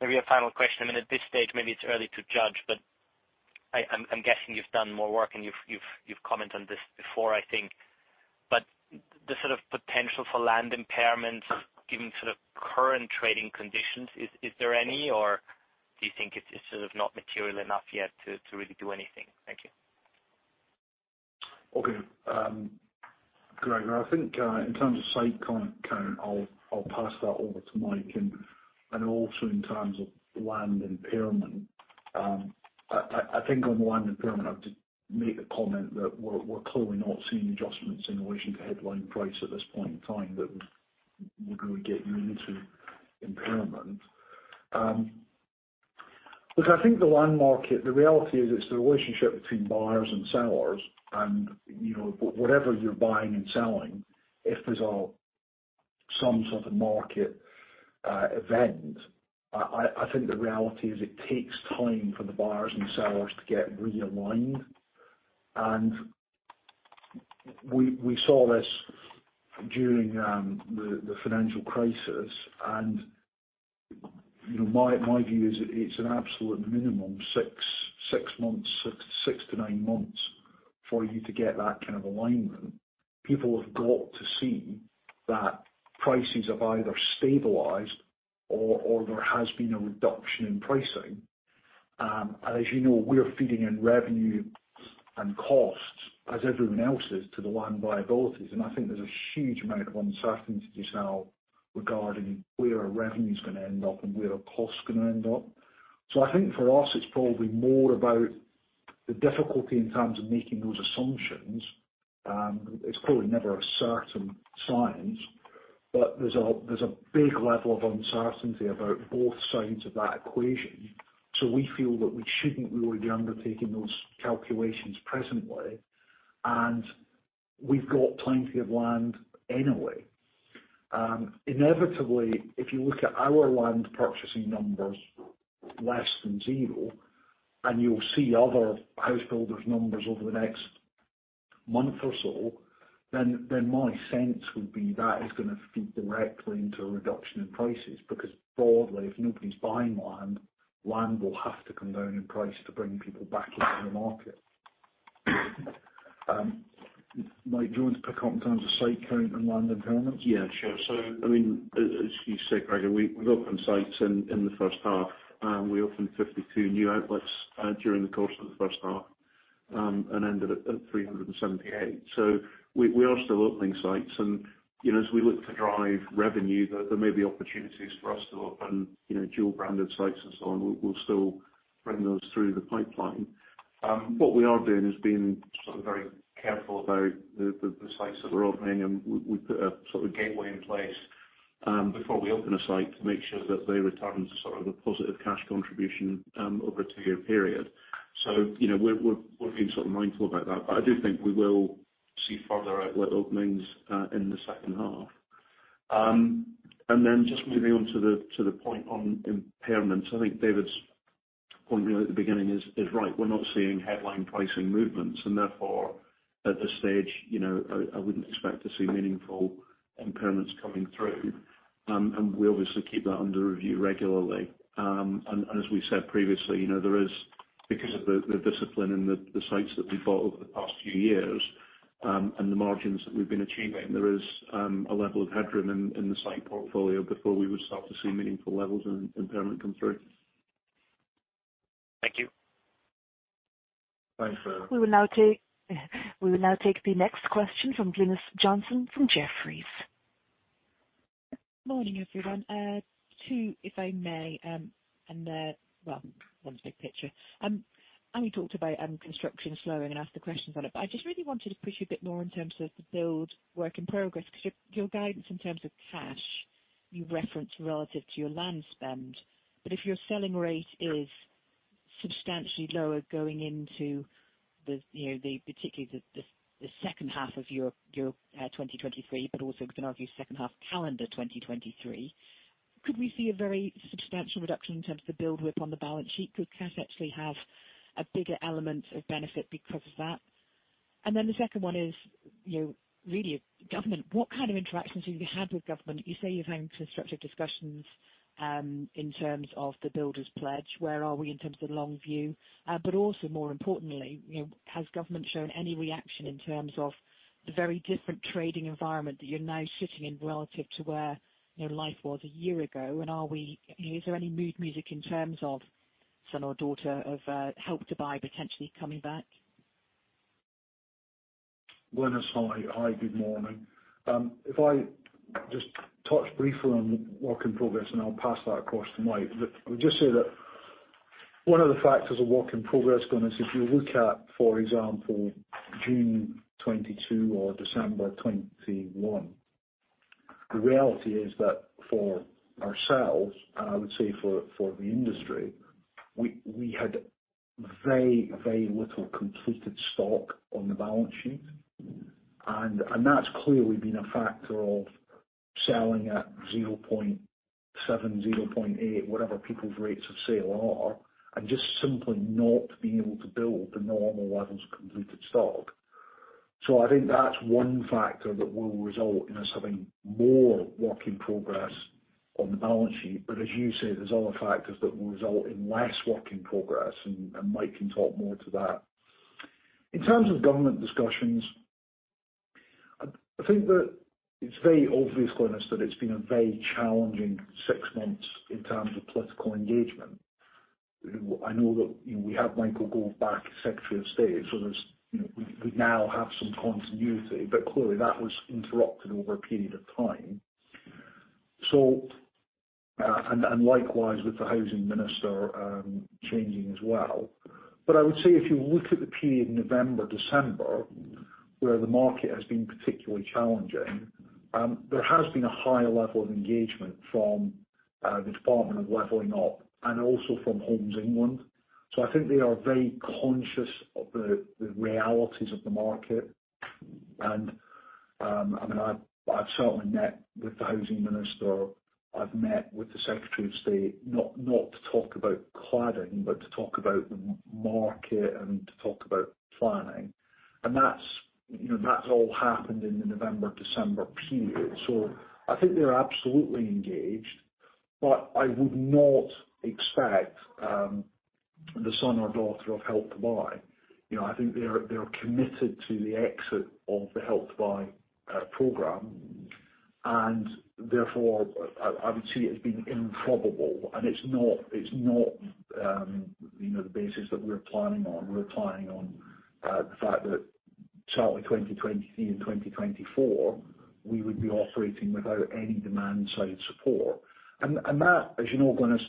maybe a final question. I mean, at this stage, maybe it's early to judge, but I'm guessing you've done more work, and you've commented on this before, I think. The sort of potential for land impairments given sort of current trading conditions, is there any? Do you think it's just sort of not material enough yet to really do anything? Thank you. Okay. Gregor, I think in terms of site count, I'll pass that over to Mike. Also in terms of land impairment, I think on land impairment, I'd just make the comment that we're clearly not seeing adjustments in relation to headline price at this point in time that would really get you into impairment. Look, I think the land market, the reality is it's the relationship between buyers and sellers, and, you know, whatever you're buying and selling, if there's some sort of market event, I think the reality is it takes time for the buyers and sellers to get realigned. We saw this during the financial crisis. You know, my view is it's an absolute minimum, six months, 6-9 months for you to get that kind of alignment. People have got to see that prices have either stabilized or there has been a reduction in pricing. As you know, we're feeding in revenue and costs as everyone else is to the land viabilities. I think there's a huge amount of uncertainty just now regarding where our revenue is going to end up and where our cost is going to end up. I think for us, it's probably more about the difficulty in terms of making those assumptions. It's probably never a certain science, but there's a big level of uncertainty about both sides of that equation. We feel that we shouldn't really be undertaking those calculations presently. We've got plenty of land anyway. Inevitably, if you look at our land purchasing numbers less than zero, and you'll see other house builders' numbers over the next month or so, then my sense would be that is gonna feed directly into a reduction in prices. Broadly, if nobody's buying land will have to come down in price to bring people back into the market. Mike, do you want to pick up in terms of site count and land impairments? Yeah, sure. I mean, as you say, Gregor, we've opened sites in the first half. We opened 52 new outlets, during the course of the first half, and ended at 378. We are still opening sites. You know, as we look to drive revenue, there may be opportunities for us to open, you know, dual-branded sites and so on. We'll still. Bring those through the pipeline. What we are doing is being sort of very careful about the sites that we're opening, and we put a sort of gateway in place before we open a site to make sure that they return sort of a positive cash contribution over a 2-year period. You know, we're being sort of mindful about that. I do think we will see further outlet openings in the second half. Just moving on to the, to the point on impairments, I think David's point really at the beginning is right. We're not seeing headline pricing movements, and therefore, at this stage, you know, I wouldn't expect to see meaningful impairments coming through. We obviously keep that under review regularly. As we said previously, you know, there is because of the discipline and the sites that we bought over the past few years, and the margins that we've been achieving, there is a level of headroom in the site portfolio before we would start to see meaningful levels of impairment come through. Thank you. Thanks. We will now take the next question from Glynis Johnson from Jefferies. Morning, everyone. Two, if I may, and they're, well, one's big picture. We talked about construction slowing and asked the questions on it, but I just really wanted to push you a bit more in terms of the build work in progress because your guidance in terms of cash, you referenced relative to your land spend. If your selling rate is substantially lower going into you know, particularly the second half of your 2023, but also we can argue second half calendar 2023, could we see a very substantial reduction in terms of the build WIP on the balance sheet? Could cash actually have a bigger element of benefit because of that? Then the second one is, you know, really government. What kind of interactions have you had with government? You say you're having constructive discussions in terms of the builders pledge. Where are we in terms of the long view? Also more importantly, you know, has government shown any reaction in terms of the very different trading environment that you're now sitting in relative to where, you know, life was a year ago? Are we, is there any mood music in terms of son or daughter of Help to Buy potentially coming back? Glynis, hi. Hi, good morning. If I just touch briefly on work in progress, and I'll pass that across to Mike. Look, I would just say that one of the factors of work in progress, Glynis, if you look at, for example, June 2022 or December 2021, the reality is that for ourselves, and I would say for the industry, we had very, very little completed stock on the balance sheet. That's clearly been a factor of selling at 0.7, 0.8, whatever people's rates of sale are, and just simply not being able to build the normal levels of completed stock. I think that's one factor that will result in us having more work in progress on the balance sheet. As you say, there's other factors that will result in less work in progress, and Mike can talk more to that. In terms of government discussions, I think that it's very obvious, Glynis Johnson, that it's been a very challenging 6 months in terms of political engagement. I know that, you know, we have Michael Gove back as Secretary of State, there's, you know, we now have some continuity, clearly, that was interrupted over a period of time. And likewise with the Housing Minister changing as well. I would say if you look at the period November, December, where the market has been particularly challenging, there has been a higher level of engagement from the Department of Levelling Up and also from Homes England. I think they are very conscious of the realities of the market. I've certainly met with the Housing Minister. I've met with the Secretary of State, not to talk about cladding, but to talk about the market and to talk about planning. That's, you know, that's all happened in the November, December period. I think they're absolutely engaged, but I would not expect the son or daughter of Help to Buy. You know, I think they are committed to the exit of the Help to Buy program, and therefore, I would see it as being improbable. It's not, you know, the basis that we're planning on. We're planning on the fact that certainly 2023 and 2024, we would be operating without any demand-side support. That, as you know, Glynis,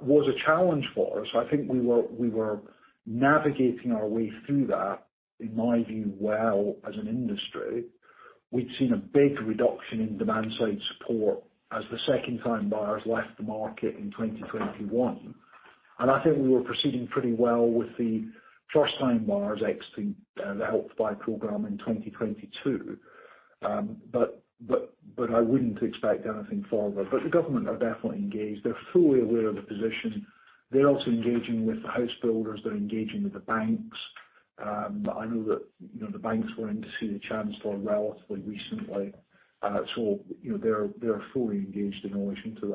was a challenge for us. I think we were, we were navigating our way through that, in my view, well, as an industry. We'd seen a big reduction in demand-side support as the second-time buyers left the market in 2021. I think we were proceeding pretty well with the first-time buyers exiting the Help to Buy program in 2022. But I wouldn't expect anything further. The government are definitely engaged. They're fully aware of the position. They're also engaging with the house builders. They're engaging with the banks. I know that, you know, the banks were in to see the chancellor relatively recently. You know, they're fully engaged in relation to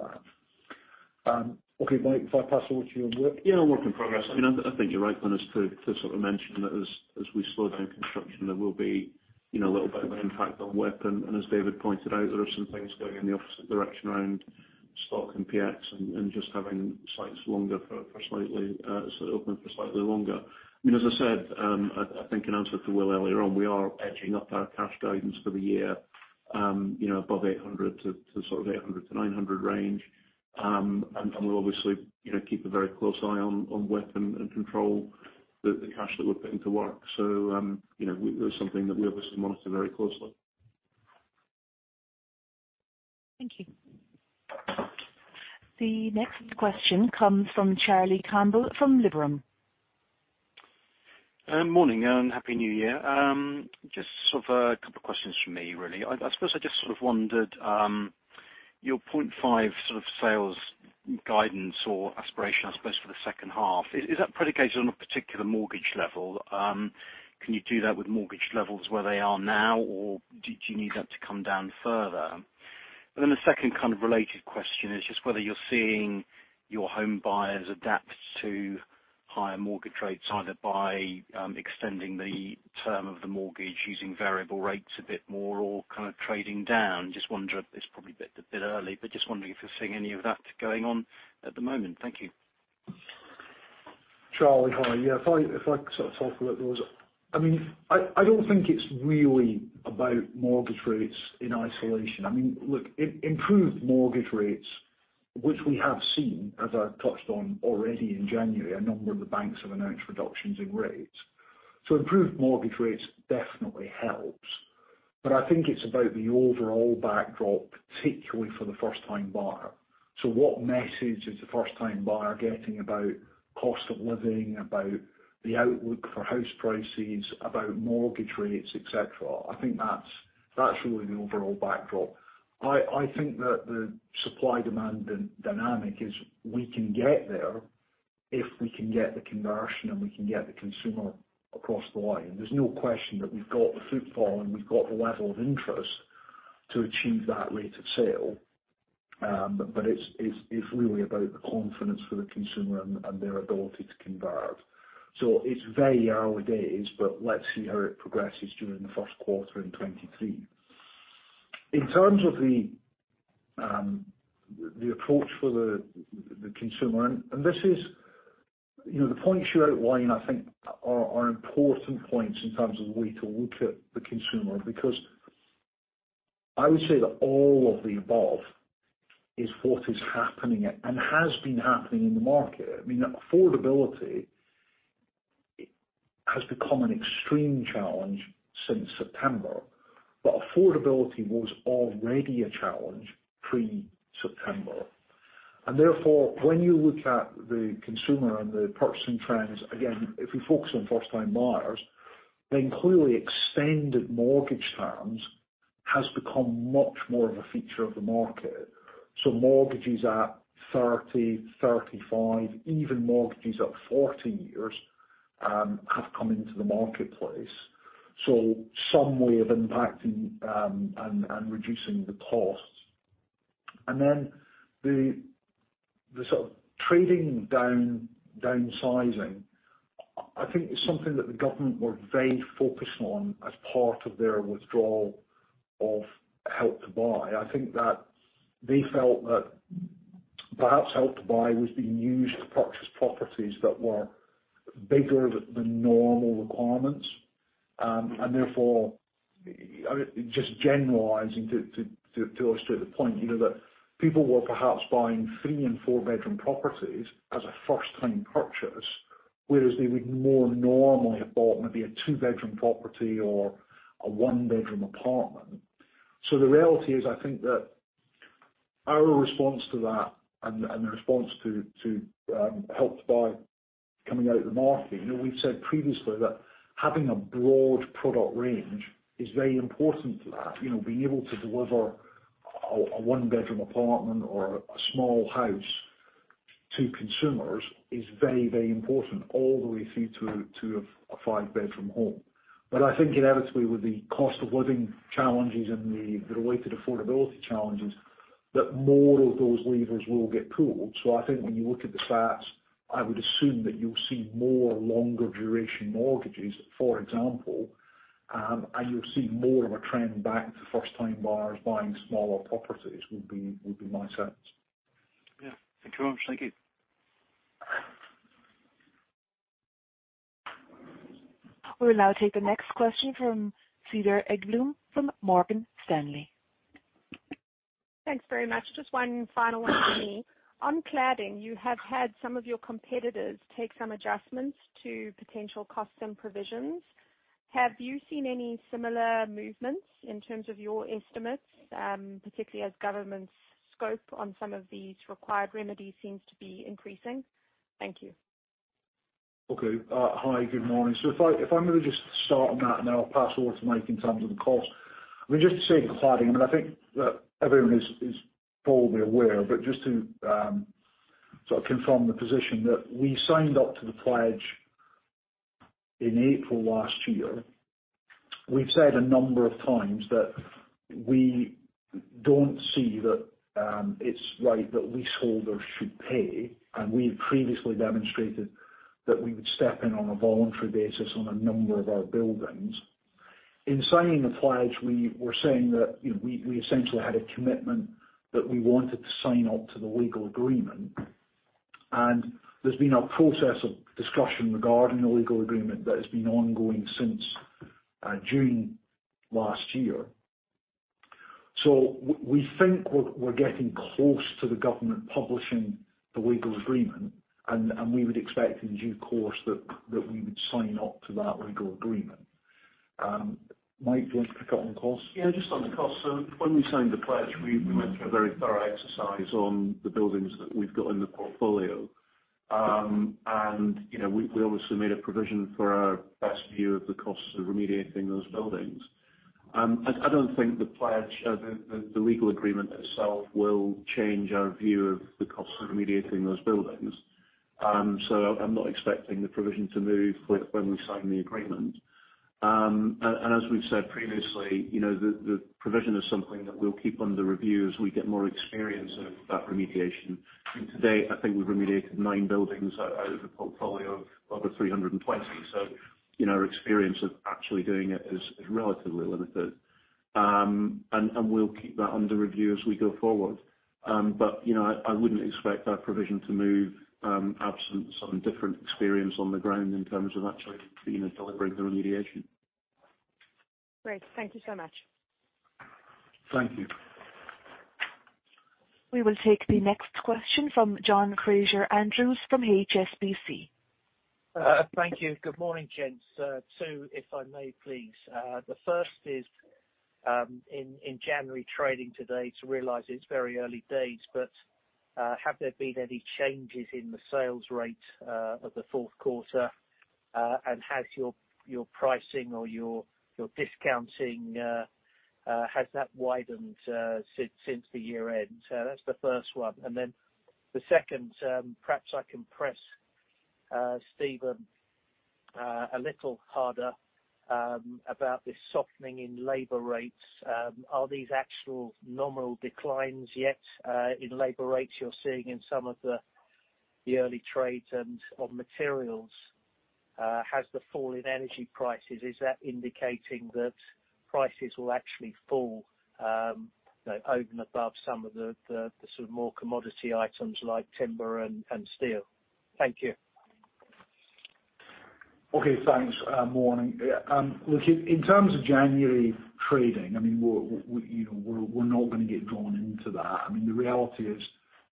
that. Okay, Mike, if I pass over to you on WIP. Yeah, work in progress. I mean, I think you're right, Glynis, to sort of mention that as we slow down construction, there will be, you know, a little bit of an impact on WIP. As David pointed out, there are some things going in the opposite direction around stock and PX and just having sites longer for slightly sort of open for slightly longer. I mean, as I said, I think in answer to Will earlier on, we are edging up our cash guidance for the year. you know, above 800 to sort of 800-900 range. We'll obviously, you know, keep a very close eye on WIP and control the cash that we're putting to work. you know, that's something that we obviously monitor very closely. Thank you. The next question comes from Charlie Campbell from Liberum. Morning, Happy New Year. Just sort of a couple questions from me really. I suppose I just sort of wondered, your 0.5 sort of sales guidance or aspiration, I suppose, for the second half. Is that predicated on a particular mortgage level? Can you do that with mortgage levels where they are now, or do you need them to come down further? The second kind of related question is just whether you're seeing your home buyers adapt to higher mortgage rates, either by extending the term of the mortgage using variable rates a bit more or kind of trading down. Just wonder if it's probably a bit early, but just wondering if you're seeing any of that going on at the moment. Thank you. Charlie. Hi. Yeah. If I could sort of talk about those. I mean, I don't think it's really about mortgage rates in isolation. I mean, look, improved mortgage rates, which we have seen, as I've touched on already in January, a number of the banks have announced reductions in rates. Improved mortgage rates definitely helps, but I think it's about the overall backdrop, particularly for the first time buyer. What message is the first time buyer getting about cost of living, about the outlook for house prices, about mortgage rates, et cetera? I think that's really the overall backdrop. I think that the supply-demand dynamic is we can get there if we can get the conversion, and we can get the consumer across the line. There's no question that we've got the footfall, and we've got the level of interest to achieve that rate of sale. It's really about the confidence for the consumer and their ability to convert. It's very early days, but let's see how it progresses during the first quarter in 23. In terms of the approach for the consumer, and this is... You know, the points you outline, I think are important points in terms of the way to look at the consumer because I would say that all of the above is what is happening and has been happening in the market. I mean, affordability has become an extreme challenge since September, affordability was already a challenge pre-September. Therefore, when you look at the consumer and the purchasing trends, again, if we focus on first time buyers, then clearly extended mortgage terms has become much more of a feature of the market. Mortgages at 30, 35, even mortgages at 40 years, have come into the marketplace. Some way of impacting, and reducing the costs. Then the sort of trading down, downsizing, I think is something that the government were very focused on as part of their withdrawal of Help to Buy. I think that they felt that perhaps Help to Buy was being used to purchase properties that were bigger than normal requirements, and therefore, just generalizing to illustrate the point, you know, that people were perhaps buying three and four bedroom properties as a first time purchase, whereas they would more normally have bought maybe a two bedroom property or a one bedroom apartment. So the reality is I think that our response to that and the response to Help to Buy coming out of the market, you know, we've said previously that having a broad product range is very important to that. You know, being able to deliver a 1 bedroom apartment or a small house to consumers is very important all the way through to a 5 bedroom home. I think inevitably with the cost of living challenges and the related affordability challenges, that more of those levers will get pulled. I think when you look at the stats, I would assume that you'll see more longer duration mortgages, for example, and you'll see more of a trend back to first time buyers buying smaller properties would be my sense. Yeah. Thank you very much. Thank you. We'll now take the next question from Cédar Ekblom from Morgan Stanley. Thanks very much. Just one final one from me. On cladding, you have had some of your competitors take some adjustments to potential custom provisions. Have you seen any similar movements in terms of your estimates, particularly as government's scope on some of these required remedies seems to be increasing? Thank you. Okay. Hi, good morning. If I'm gonna just start on that and then I'll pass over to Mike in terms of the cost. I mean, just to say cladding, I mean, I think that everyone is probably aware, but just to sort of confirm the position that we signed up to the pledge in April last year. We've said a number of times that we don't see that it's right that leaseholders should pay, and we've previously demonstrated that we would step in on a voluntary basis on a number of our buildings. In signing the pledge, we were saying that, you know, we essentially had a commitment that we wanted to sign up to the legal agreement. There's been a process of discussion regarding the legal agreement that has been ongoing since June last year. We think we're getting close to the Government publishing the legal agreement and we would expect in due course that we would sign up to that legal agreement. Mike, do you want to pick up on costs? Yeah, just on the costs. When we signed the pledge, we went through a very thorough exercise on the buildings that we've got in the portfolio. And, you know, we obviously made a provision for our best view of the costs of remediating those buildings. I don't think the pledge of the legal agreement itself will change our view of the cost of remediating those buildings. I'm not expecting the provision to move when we sign the agreement. And as we've said previously, you know, the provision is something that we'll keep under review as we get more experience of that remediation. To date, I think we've remediated nine buildings out of the portfolio of over 320. You know, our experience of actually doing it is relatively limited. We'll keep that under review as we go forward. You know, I wouldn't expect that provision to move, absent some different experience on the ground in terms of actually, you know, delivering the remediation. Great. Thank you so much. Thank you. We will take the next question from John Fraser-Andrews from HSBC. Thank you. Good morning, gents. Two, if I may, please. The first is, in January trading to date, I realize it's very early days, but have there been any changes in the sales rate of the fourth quarter? Has your pricing or your discounting has that widened since the year-end? That's the first one. The second, perhaps I can press Steven a little harder about this softening in labor rates. Are these actual nominal declines yet in labor rates you're seeing in some of the early trades and on materials? Has the fall in energy prices, is that indicating that prices will actually fall, you know, over and above some of the sort of more commodity items like timber and steel? Thank you. Okay. Thanks. Morning. Look, in terms of January trading, I mean, we're, you know, we're not gonna get drawn into that. I mean, the reality is,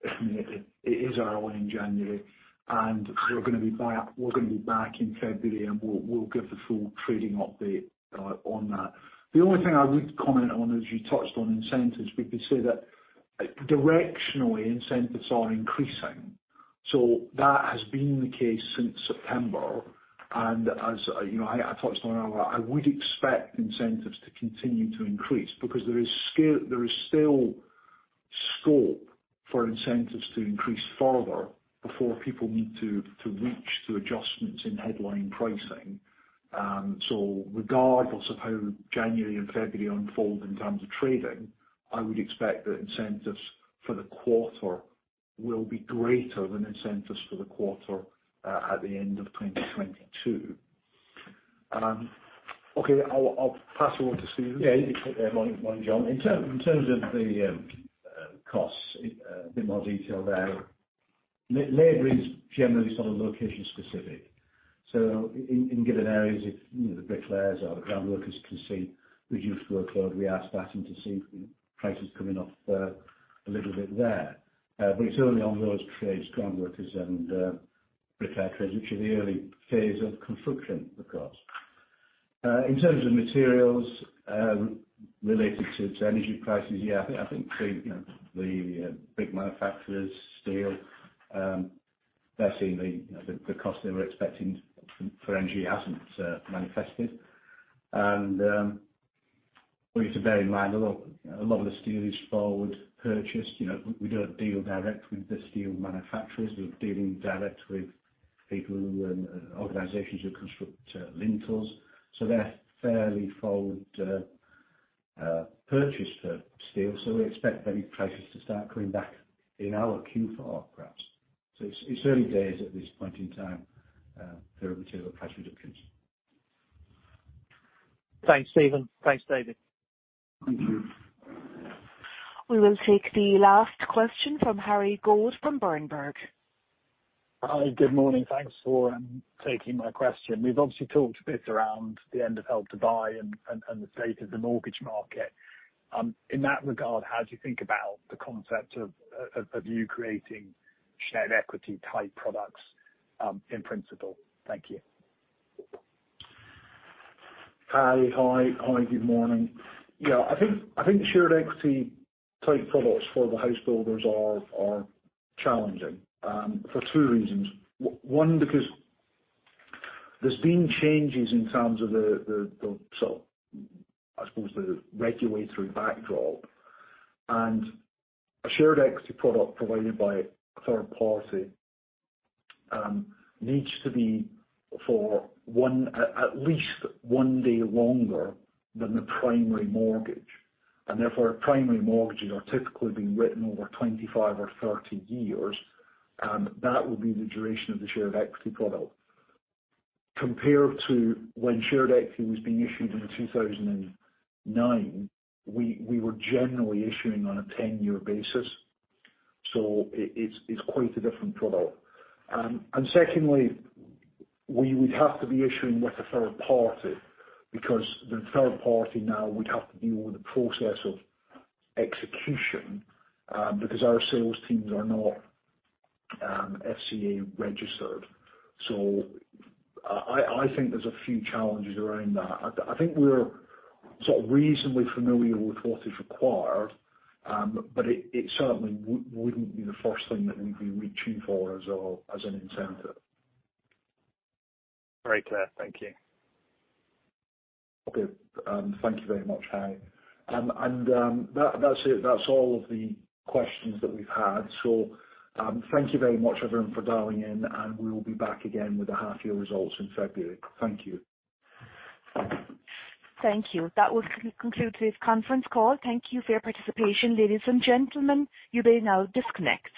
it is early in January, and we're gonna be back in February, and we'll give the full trading update on that. The only thing I would comment on, as you touched on incentives, we could say that directionally, incentives are increasing. That has been the case since September. As, you know, I touched on earlier, I would expect incentives to continue to increase because there is still scope for incentives to increase further before people need to reach to adjustments in headline pricing. Regardless of how January and February unfold in terms of trading, I would expect that incentives for the quarter will be greater than incentives for the quarter at the end of 2022. Okay, I'll pass you on to Steven. Morning. Morning, John. In terms of the costs, a bit more detail there. Labor is generally sort of location specific. In given areas, if, you know, the bricklayers or the ground workers can see reduced workload, we are starting to see prices coming off a little bit there. It's only on those trades, ground workers and bricklayers, which are the early phase of construction, of course. In terms of materials, related to energy prices, I think the, you know, the big manufacturers, steel, they're seeing the, you know, the costs they were expecting for energy hasn't manifested. We need to bear in mind a lot of the steel is forward purchased. You know, we don't deal direct with the steel manufacturers. We're dealing direct with people and organizations who construct lintels. They're fairly forward purchase for steel. We expect maybe prices to start coming back in our Q4, perhaps. It's early days at this point in time for material price reductions. Thanks, Steven. Thanks, David. Thank you. We will take the last question from Harry Goad from Berenberg. Hi. Good morning. Thanks for taking my question. We've obviously talked a bit around the end of Help to Buy and the state of the mortgage market. In that regard, how do you think about the concept of you creating shared equity type products, in principle? Thank you. Harry. Hi. Good morning. Yeah, I think shared equity type products for the house builders are challenging for two reasons. One, because there's been changes in terms of the sort of, I suppose, the regulatory backdrop. A shared equity product provided by a third party needs to be for one, at least one day longer than the primary mortgage. Therefore, primary mortgages are typically being written over 25 or 30 years, and that will be the duration of the shared equity product. Compared to when shared equity was being issued in 2009, we were generally issuing on a 10-year basis. It's quite a different product. Secondly, we would have to be issuing with a third party because the third party now would have to deal with the process of execution, because our sales teams are not FCA registered. I, I think there's a few challenges around that. I think we're sort of reasonably familiar with what is required, but it certainly wouldn't be the first thing that we'd be reaching for as a, as an incentive. Very clear. Thank you. Okay. Thank you very much, Harry. That's it. That's all of the questions that we've had. Thank you very much everyone for dialing in, and we will be back again with the half year results in February. Thank you. Thank you. That will conclude today's conference call. Thank you for your participation. Ladies and gentlemen, you may now disconnect.